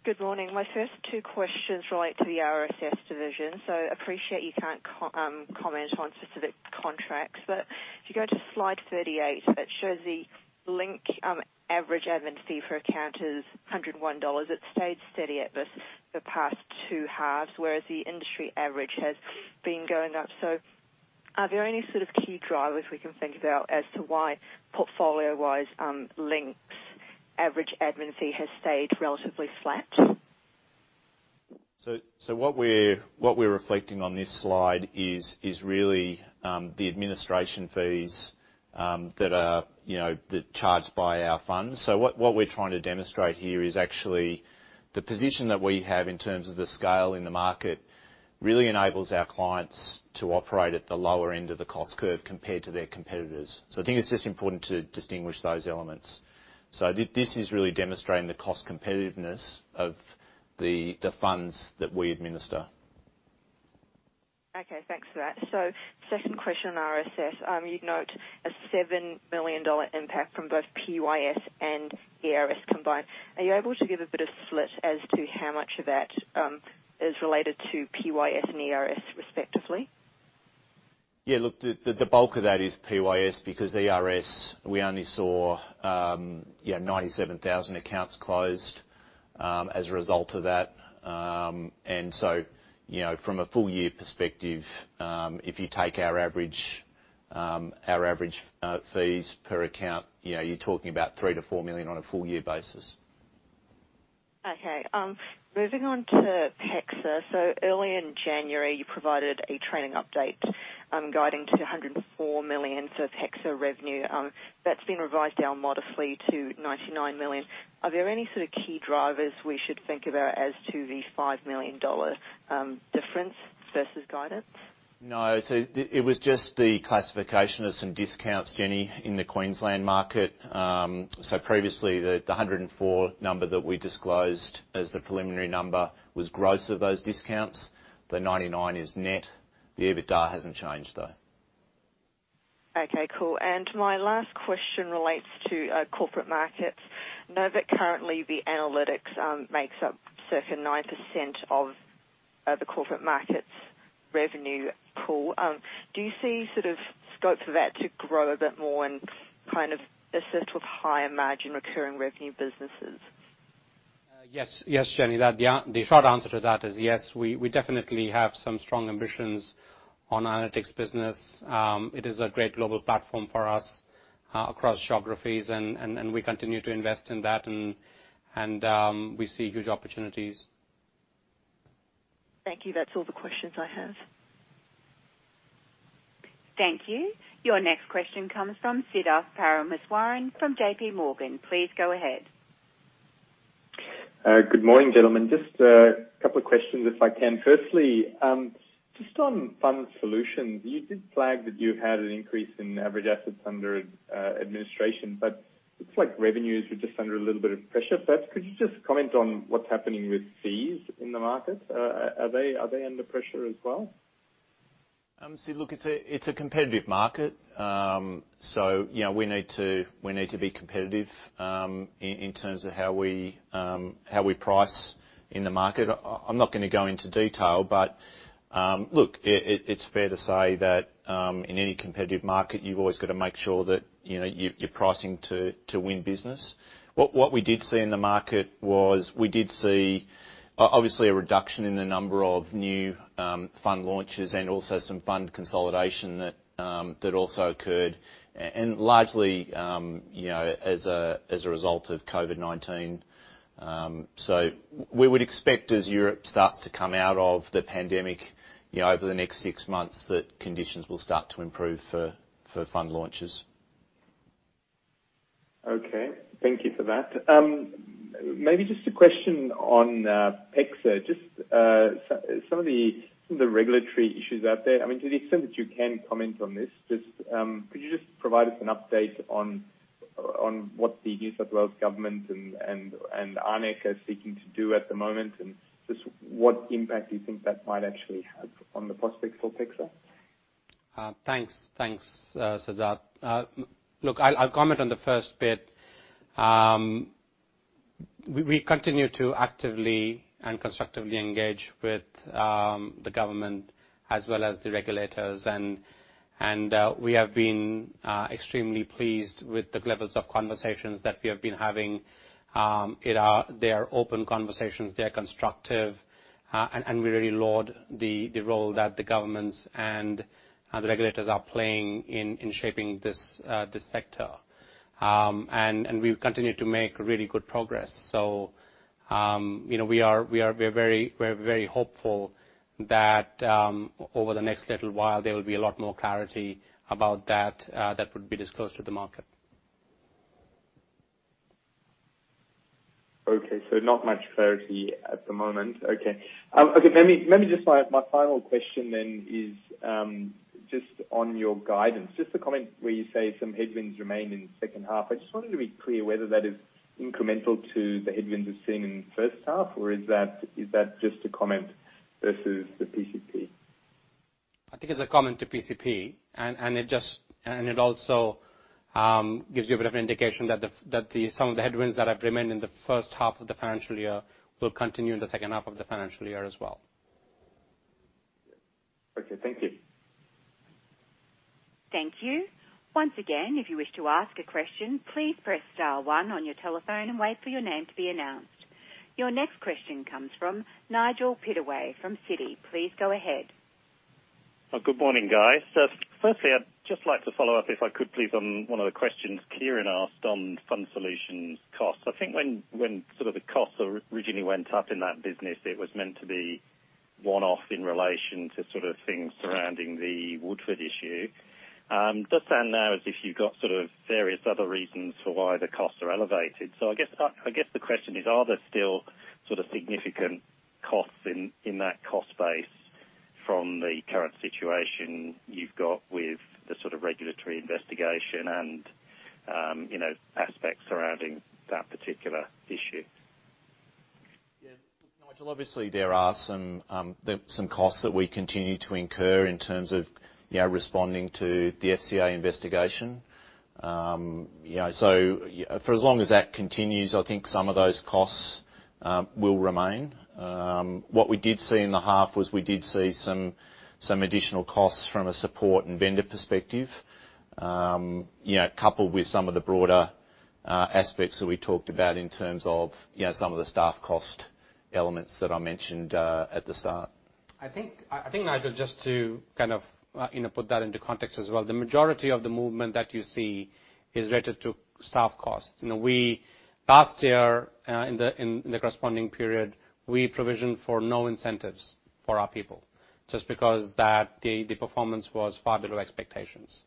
Good morning. My first two questions relate to the RSS division. Appreciate you can't comment on specific contracts. If you go to slide 38, it shows the Link average admin fee per account is 101 dollars. It stayed steady at this the past two halves, whereas the industry average has been going up. Are there any sort of key drivers we can think about as to why portfolio-wise Link's average admin fee has stayed relatively flat? What we're reflecting on this slide is really the administration fees that are charged by our funds. What we're trying to demonstrate here is actually the position that we have in terms of the scale in the market really enables our clients to operate at the lower end of the cost curve compared to their competitors. I think it's just important to distinguish those elements. This is really demonstrating the cost competitiveness of the funds that we administer. Okay, thanks for that. Second question on RSS. You'd note a 7 million dollar impact from both PYS and ERS combined. Are you able to give a bit of split as to how much of that is related to PYS and ERS respectively? Yeah, look, the bulk of that is PYS because ERS, we only saw 97,000 accounts closed as a result of that. From a full year perspective, if you take our average fees per account, you're talking about 3 million-4 million on a full year basis. Moving on to PEXA. Early in January, you provided a trading update guiding to the 104 million. PEXA revenue, that's been revised down modestly to 99 million. Are there any sort of key drivers we should think about as to the 5 million dollar difference versus guidance? It was just the classification of some discounts, Jenny, in the Queensland market. Previously, the 104 number that we disclosed as the preliminary number was gross of those discounts. The 99 is net. The EBITDA hasn't changed though. Okay, cool. My last question relates to Corporate Markets. Know that currently the analytics makes up certain 9% of the Corporate Markets revenue pool. Do you see scope for that to grow a bit more and assert with higher margin recurring revenue businesses? Yes, Jenny. The short answer to that is yes, we definitely have some strong ambitions on analytics business. It is a great global platform for us across geographies, and we continue to invest in that and we see huge opportunities. Thank you. That's all the questions I have. Thank you. Your next question comes from Siddharth Parameswaran from J.P. Morgan. Please go ahead. Good morning, gentlemen. Just a couple of questions if I can. Firstly, just on Fund Solutions. You did flag that you had an increase in average assets under administration, but looks like revenues were just under a little bit of pressure. Could you just comment on what's happening with fees in the market? Are they under pressure as well? Look, it's a competitive market. We need to be competitive in terms of how we price in the market. I'm not going to go into detail, but, look, it's fair to say that, in any competitive market, you've always got to make sure that you're pricing to win business. What we did see in the market was, we did see, obviously, a reduction in the number of new fund launches and also some fund consolidation that also occurred, and largely as a result of COVID-19. We would expect as Europe starts to come out of the pandemic over the next six months, that conditions will start to improve for fund launches. Okay. Thank you for that. Maybe just a question on PEXA. Just some of the regulatory issues out there. To the extent that you can comment on this, could you just provide us an update on what the New South Wales government and ARNECC are seeking to do at the moment, and just what impact do you think that might actually have on the prospects for PEXA? Thanks Siddharth. Look, I'll comment on the first bit. We continue to actively and constructively engage with the government as well as the regulators. We have been extremely pleased with the levels of conversations that we have been having. They are open conversations, they are constructive, and we really laud the role that the governments and the regulators are playing in shaping this sector. We continue to make really good progress. We are very hopeful that, over the next little while, there will be a lot more clarity about that would be disclosed to the market. Okay. Not much clarity at the moment. Okay. Let me just, my final question then is just on your guidance. Just a comment where you say some headwinds remain in the second half. I just wanted to be clear whether that is incremental to the headwinds you've seen in the first half, or is that just a comment versus the PCP? I think it's a comment to PCP. It also gives you a bit of an indication that some of the headwinds that have remained in the first half of the financial year will continue in the second half of the financial year as well. Okay, thank you. Thank you. Your next question comes from Nigel Pittaway from Citi. Please go ahead. Good morning, guys. I'd just like to follow up, if I could please, on one of the questions Kieren asked on Fund Solutions costs. I think when the costs originally went up in that business, it was meant to be one-off in relation to things surrounding the Woodford issue. Does sound now as if you've got various other reasons for why the costs are elevated. I guess the question is, are there still significant costs in that cost base from the current situation you've got with the regulatory investigation and aspects surrounding that particular issue? Yeah. Nigel, obviously there are some costs that we continue to incur in terms of responding to the FCA investigation. For as long as that continues, I think some of those costs will remain. What we did see in the half was, we did see some additional costs from a support and vendor perspective, coupled with some of the broader aspects that we talked about in terms of some of the staff cost elements that I mentioned at the start. I think, Nigel, just to put that into context as well, the majority of the movement that you see is related to staff cost. Last year, in the corresponding period, we provisioned for no incentives for our people, just because the performance was far below expectations.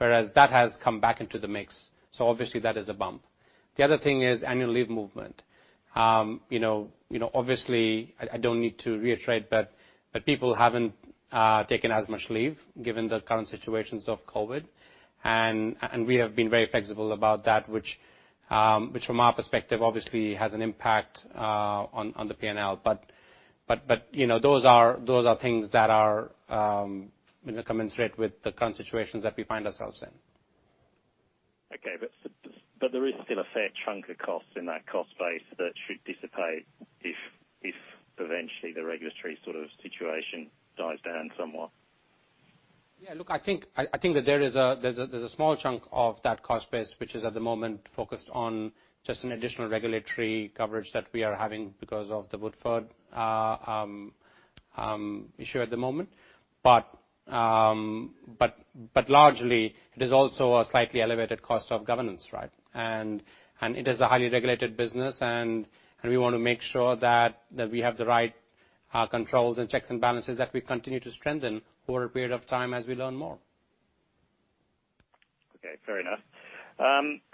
That has come back into the mix. Obviously that is a bump. The other thing is annual leave movement. Obviously, I don't need to reiterate, but people haven't taken as much leave given the current situations of COVID, and we have been very flexible about that, which from our perspective obviously has an impact on the P&L. Those are things that are commensurate with the current situations that we find ourselves in. Okay. There is still a fair chunk of costs in that cost base that should dissipate if eventually the regulatory situation dies down somewhat. Yeah, look, I think that there's a small chunk of that cost base, which is at the moment focused on just an additional regulatory coverage that we are having because of the Woodford issue at the moment. Largely, it is also a slightly elevated cost of governance. It is a highly regulated business, and we want to make sure that we have the right controls and checks and balances that we continue to strengthen over a period of time as we learn more. Okay, fair enough.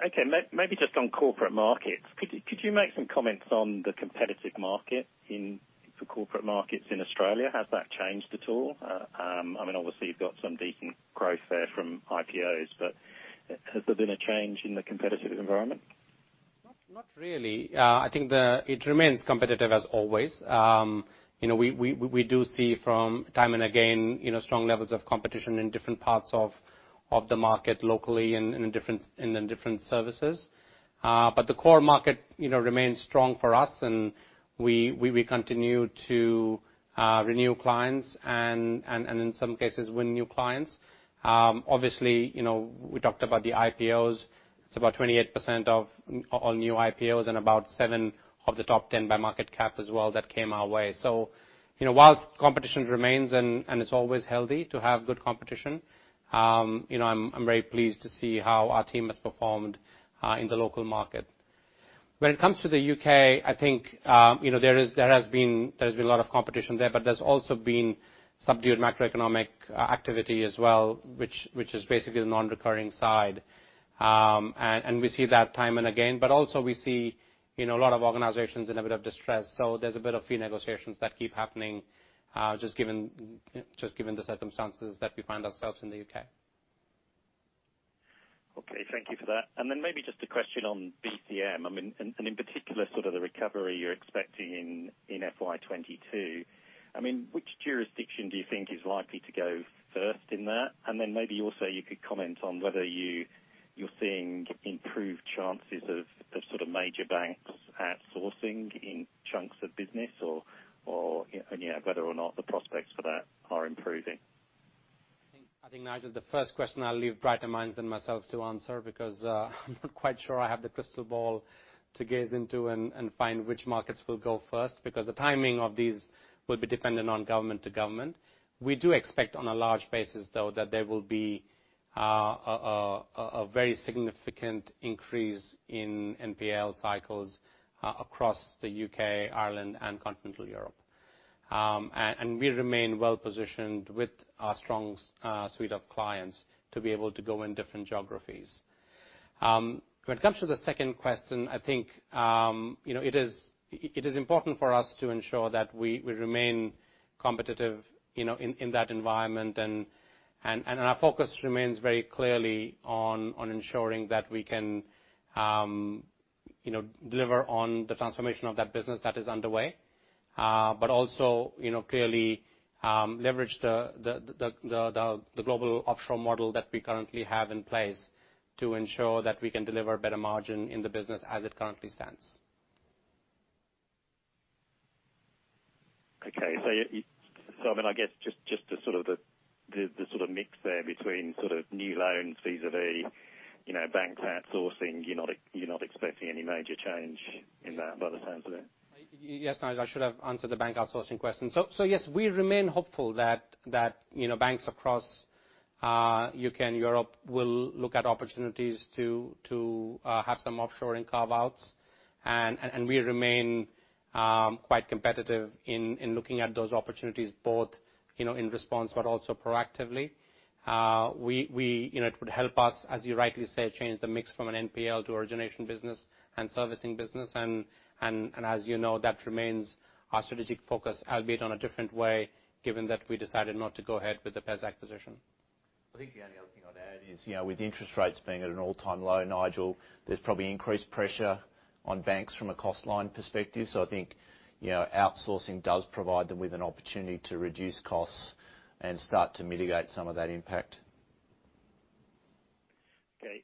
Okay, maybe just on corporate markets. Could you make some comments on the competitive market for corporate markets in Australia? Has that changed at all? Obviously, you've got some decent growth there from IPOs, but has there been a change in the competitive environment? Not really. I think it remains competitive as always. We do see from time and again, strong levels of competition in different parts of the market locally and in the different services. The core market remains strong for us, and we continue to renew clients and in some cases, win new clients. Obviously, we talked about the IPOs. It's about 28% of all new IPOs and about seven of the top 10 by market cap as well that came our way. Whilst competition remains, and it's always healthy to have good competition. I'm very pleased to see how our team has performed in the local market. When it comes to the U.K., I think there has been a lot of competition there, but there's also been subdued macroeconomic activity as well, which is basically the non-recurring side. We see that time and again. Also, we see a lot of organizations in a bit of distress. There's a bit of fee negotiations that keep happening, just given the circumstances that we find ourselves in the U.K. Okay, thank you for that. Maybe just a question on BCM. In particular, sort of the recovery you're expecting in FY 2022. Which jurisdiction do you think is likely to go first in that? Maybe also you could comment on whether you're seeing improved chances of major banks outsourcing in chunks of business or whether or not the prospects for that are improving. I think, Nigel, the first question I'll leave brighter minds than myself to answer, because I'm not quite sure I have the crystal ball to gaze into and find which markets will go first. The timing of these will be dependent on government to government. We do expect on a large basis, though, that there will be a very significant increase in NPL cycles across the U.K., Ireland, and Continental Europe. We remain well-positioned with our strong suite of clients to be able to go in different geographies. When it comes to the second question, I think it is important for us to ensure that we remain competitive in that environment. Our focus remains very clearly on ensuring that we can deliver on the transformation of that business that is underway. Also, clearly leverage the global offshore model that we currently have in place to ensure that we can deliver better margin in the business as it currently stands. Okay. I guess just the sort of mix there between new loans vis-a-vis banks outsourcing. You're not expecting any major change in that, by the sounds of it? Nigel, I should have answered the bank outsourcing question. We remain hopeful that banks across U.K. and Europe will look at opportunities to have some offshoring carve-outs. We remain quite competitive in looking at those opportunities, both in response but also proactively. It would help us, as you rightly say, change the mix from an NPL to origination business and servicing business. As you know, that remains our strategic focus, albeit on a different way, given that we decided not to go ahead with the Pepper acquisition. I think the only other thing I'd add is, with interest rates being at an all-time low, Nigel, there's probably increased pressure on banks from a cost line perspective. I think outsourcing does provide them with an opportunity to reduce costs and start to mitigate some of that impact. Okay.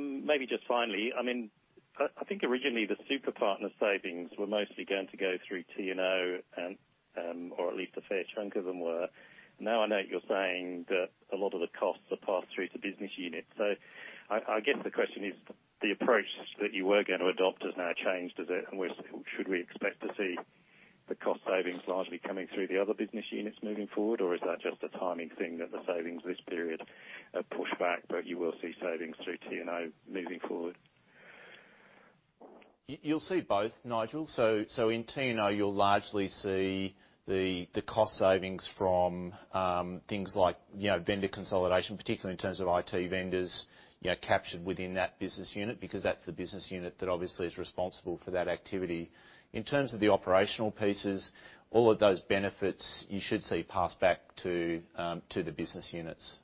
Maybe just finally. I think originally the super partner savings were mostly going to go through T&O, or at least a fair chunk of them were. Now I note you're saying that a lot of the costs are passed through to business units. I guess the question is, the approach that you were going to adopt has now changed. Should we expect to see the cost savings largely coming through the other business units moving forward, or is that just a timing thing that the savings this period are pushed back, but you will see savings through T&O moving forward? You'll see both, Nigel. In T&O, you'll largely see the cost savings from things like vendor consolidation, particularly in terms of IT vendors, captured within that business unit, because that's the business unit that obviously is responsible for that activity. In terms of the operational pieces, all of those benefits you should see passed back to the business units.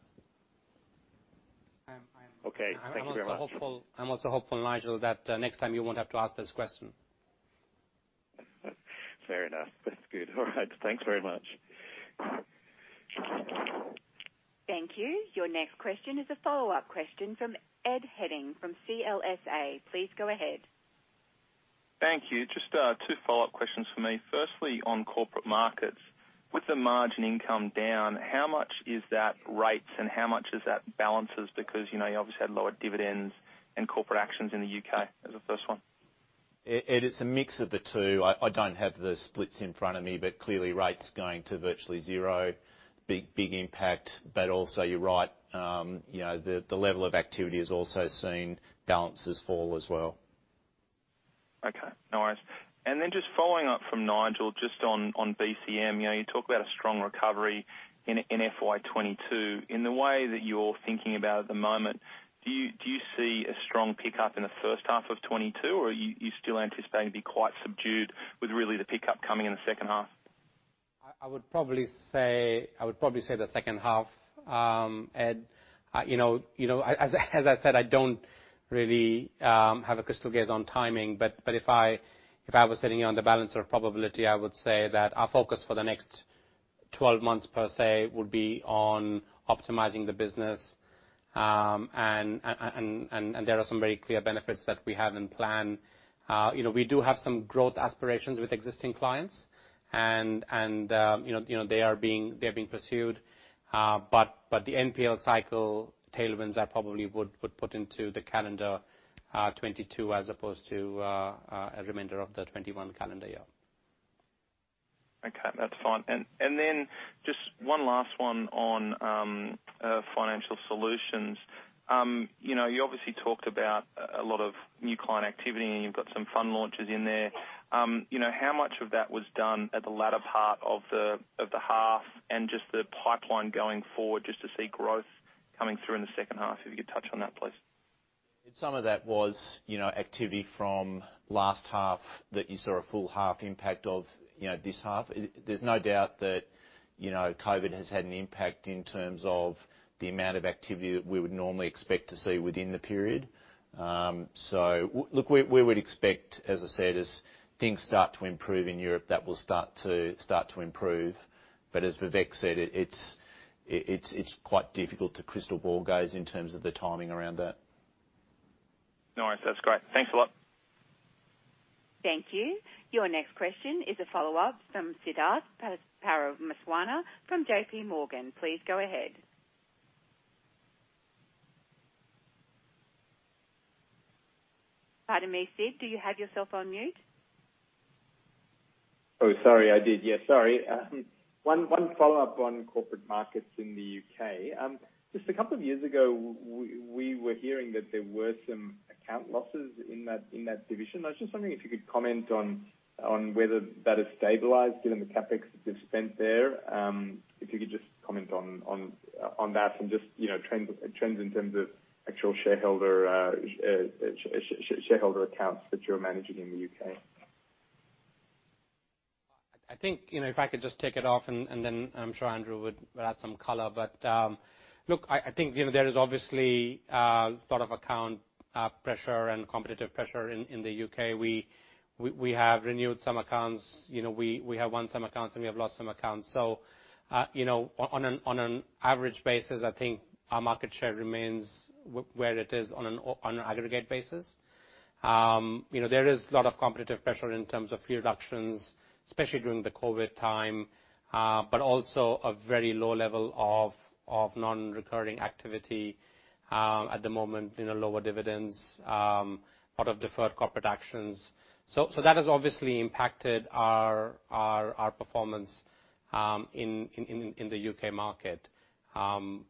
I'm also hopeful, Nigel, that next time you won't have to ask this question Fair enough. That's good. All right, thanks very much. Thank you. Your next question is a follow-up question from Ed Henning from CLSA. Please go ahead. Thank you. Just two follow-up questions for me. Firstly, on corporate markets. With the margin income down, how much is that rates and how much is that balances? You obviously had lower dividends and corporate actions in the U.K. That's the first one. Ed, it's a mix of the two. I don't have the splits in front of me, clearly rates going to virtually zero, big impact. Also, you're right. The level of activity has also seen balances fall as well. Okay. No worries. Just following up from Nigel, just on BCM. You talk about a strong recovery in FY 2022. In the way that you're thinking about it at the moment, do you see a strong pickup in the first half of 2022, or are you still anticipating it to be quite subdued with really the pickup coming in the second half? I would probably say the second half, Ed. As I said, I don't really have a crystal gaze on timing, if I was sitting on the balance of probability, I would say that our focus for the next 12 months per se, would be on optimizing the business. There are some very clear benefits that we have in plan. We do have some growth aspirations with existing clients and they are being pursued. The NPL cycle tailwinds, I probably would put into the calendar 2022 as opposed to a remainder of the 2021 calendar year. Okay, that's fine. Just one last one on financial solutions. You obviously talked about a lot of new client activity, and you've got some fund launches in there. How much of that was done at the latter part of the half, and just the pipeline going forward just to see growth coming through in the second half? If you could touch on that, please. Some of that was activity from last half that you saw a full half impact of this half. There's no doubt that COVID has had an impact in terms of the amount of activity that we would normally expect to see within the period. Look, we would expect, as I said, as things start to improve in Europe, that will start to improve. As Vivek said, it's quite difficult to crystal ball gaze in terms of the timing around that. No worries. That's great. Thanks a lot. Thank you. Your next question is a follow-up from Siddharth Parameswaran from J.P. Morgan. Please go ahead. Pardon me, Sid, do you have yourself on mute? Oh, sorry. I did. Yeah, sorry. One follow-up on corporate markets in the U.K. Just a couple of years ago, we were hearing that there were some account losses in that division. I was just wondering if you could comment on whether that has stabilized given the CapEx that you've spent there. If you could just comment on that and just trends in terms of actual shareholder accounts that you're managing in the U.K. I think, if I could just take it off and then I'm sure Andrew would add some color. Look, I think there is obviously a lot of account pressure and competitive pressure in the U.K. We have renewed some accounts. We have won some accounts, and we have lost some accounts. On an average basis, I think our market share remains where it is on an aggregate basis. There is a lot of competitive pressure in terms of fee reductions, especially during the COVID-19 time, but also a very low level of non-recurring activity at the moment, lower dividends, a lot of deferred corporate actions. That has obviously impacted our performance in the U.K. market. I don't know, Andrew, to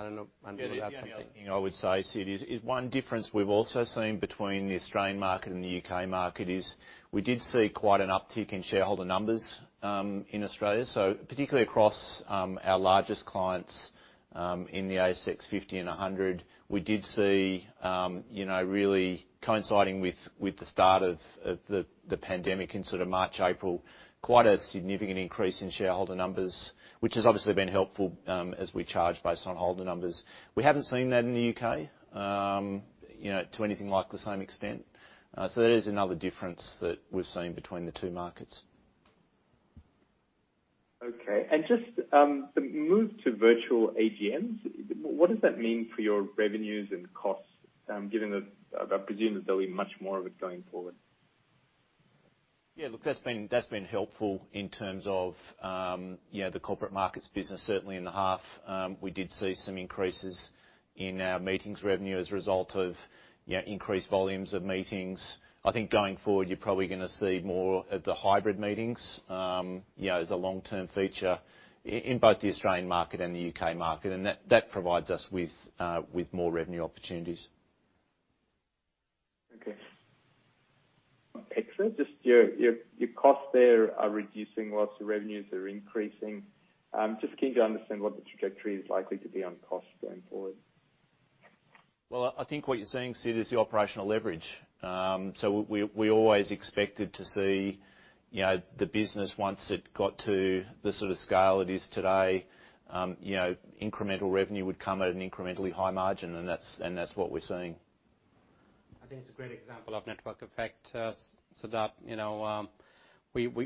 add something. Yeah, the only thing I would say, Sid, is one difference we've also seen between the Australian market and the U.K. market is we did see quite an uptick in shareholder numbers in Australia. Particularly across our largest clients in the ASX 50 and 100, we did see, really coinciding with the start of the pandemic in March, April, quite a significant increase in shareholder numbers, which has obviously been helpful as we charge based on holder numbers. We haven't seen that in the U.K. to anything like the same extent. That is another difference that we've seen between the two markets. Okay. Just the move to virtual AGMs. What does that mean for your revenues and costs, given that I presume that there'll be much more of it going forward? Look, that's been helpful in terms of the corporate markets business. Certainly, in the half, we did see some increases in our meetings revenue as a result of increased volumes of meetings. I think going forward, you're probably going to see more of the hybrid meetings as a long-term feature in both the Australian market and the U.K. market. That provides us with more revenue opportunities. Okay. On OPEX, just your costs there are reducing while the revenues are increasing. Just keen to understand what the trajectory is likely to be on costs going forward. Well, I think what you're seeing, Sid, is the operational leverage. We always expected to see the business, once it got to the sort of scale it is today, incremental revenue would come at an incrementally high margin, and that's what we're seeing. I think it's a great example of network effect, Sid.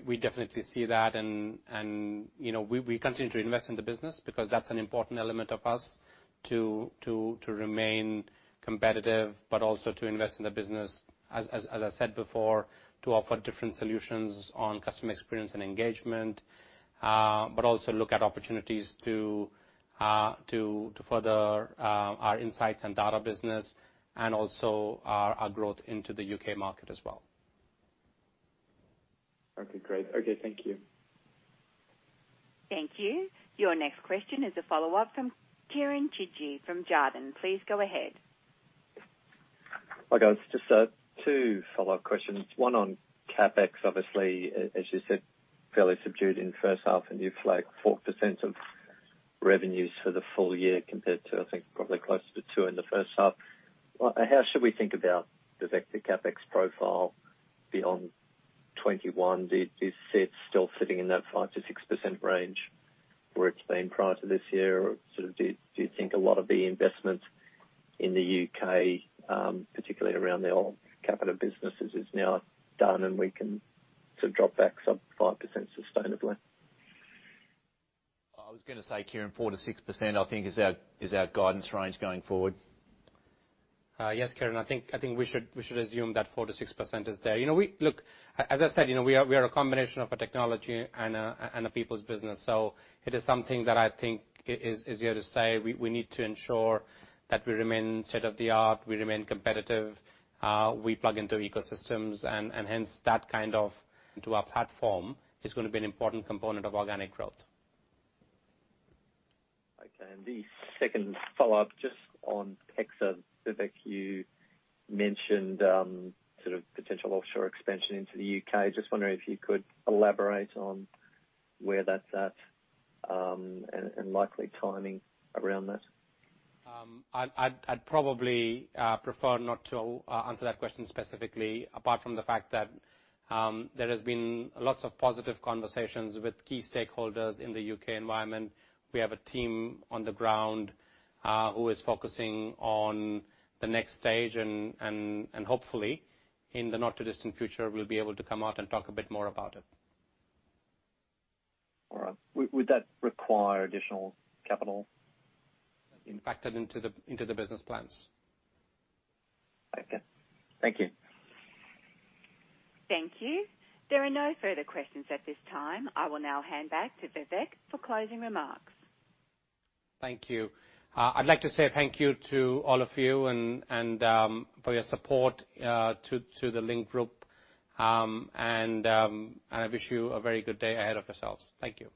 We definitely see that, and we continue to invest in the business because that's an important element of us to remain competitive, but also to invest in the business, as I said before, to offer different solutions on customer experience and engagement, but also look at opportunities to further our insights and data business and also our growth into the U.K. market as well. Okay, great. Okay, thank you. Thank you. Your next question is a follow-up from Kieren Chidgey from Jarden. Please go ahead. Hi, guys. Just two follow-up questions. One on CapEx, obviously, as you said, fairly subdued in the first half, and you flag 4% of revenues for the full year compared to, I think, probably closer to two in the first half. How should we think about the vector CapEx profile beyond 2021? Is it still sitting in that 5%-6% range where it's been prior to this year? Do you think a lot of the investment in the U.K., particularly around the old Capita businesses, is now done, and we can drop back sub 5% sustainably? I was going to say, Kieran, 4%-6%, I think is our guidance range going forward. Yes, Kieran. I think we should assume that 4%-6% is there. Look, as I said, we are a combination of a technology and a people's business. It is something that I think is here to stay. We need to ensure that we remain state-of-the-art, we remain competitive, we plug into ecosystems, and hence that to our platform is going to be an important component of organic growth. Okay. The second follow-up just on PEXA. Vivek, you mentioned potential offshore expansion into the U.K. Just wondering if you could elaborate on where that's at and likely timing around that. I'd probably prefer not to answer that question specifically, apart from the fact that there has been lots of positive conversations with key stakeholders in the U.K. environment. We have a team on the ground who is focusing on the next stage, and hopefully, in the not-too-distant future, we'll be able to come out and talk a bit more about it. All right. Would that require additional capital? Factored into the business plans. Okay. Thank you. Thank you. There are no further questions at this time. I will now hand back to Vivek for closing remarks. Thank you. I'd like to say thank you to all of you and for your support to the Link Group, and I wish you a very good day ahead of yourselves. Thank you.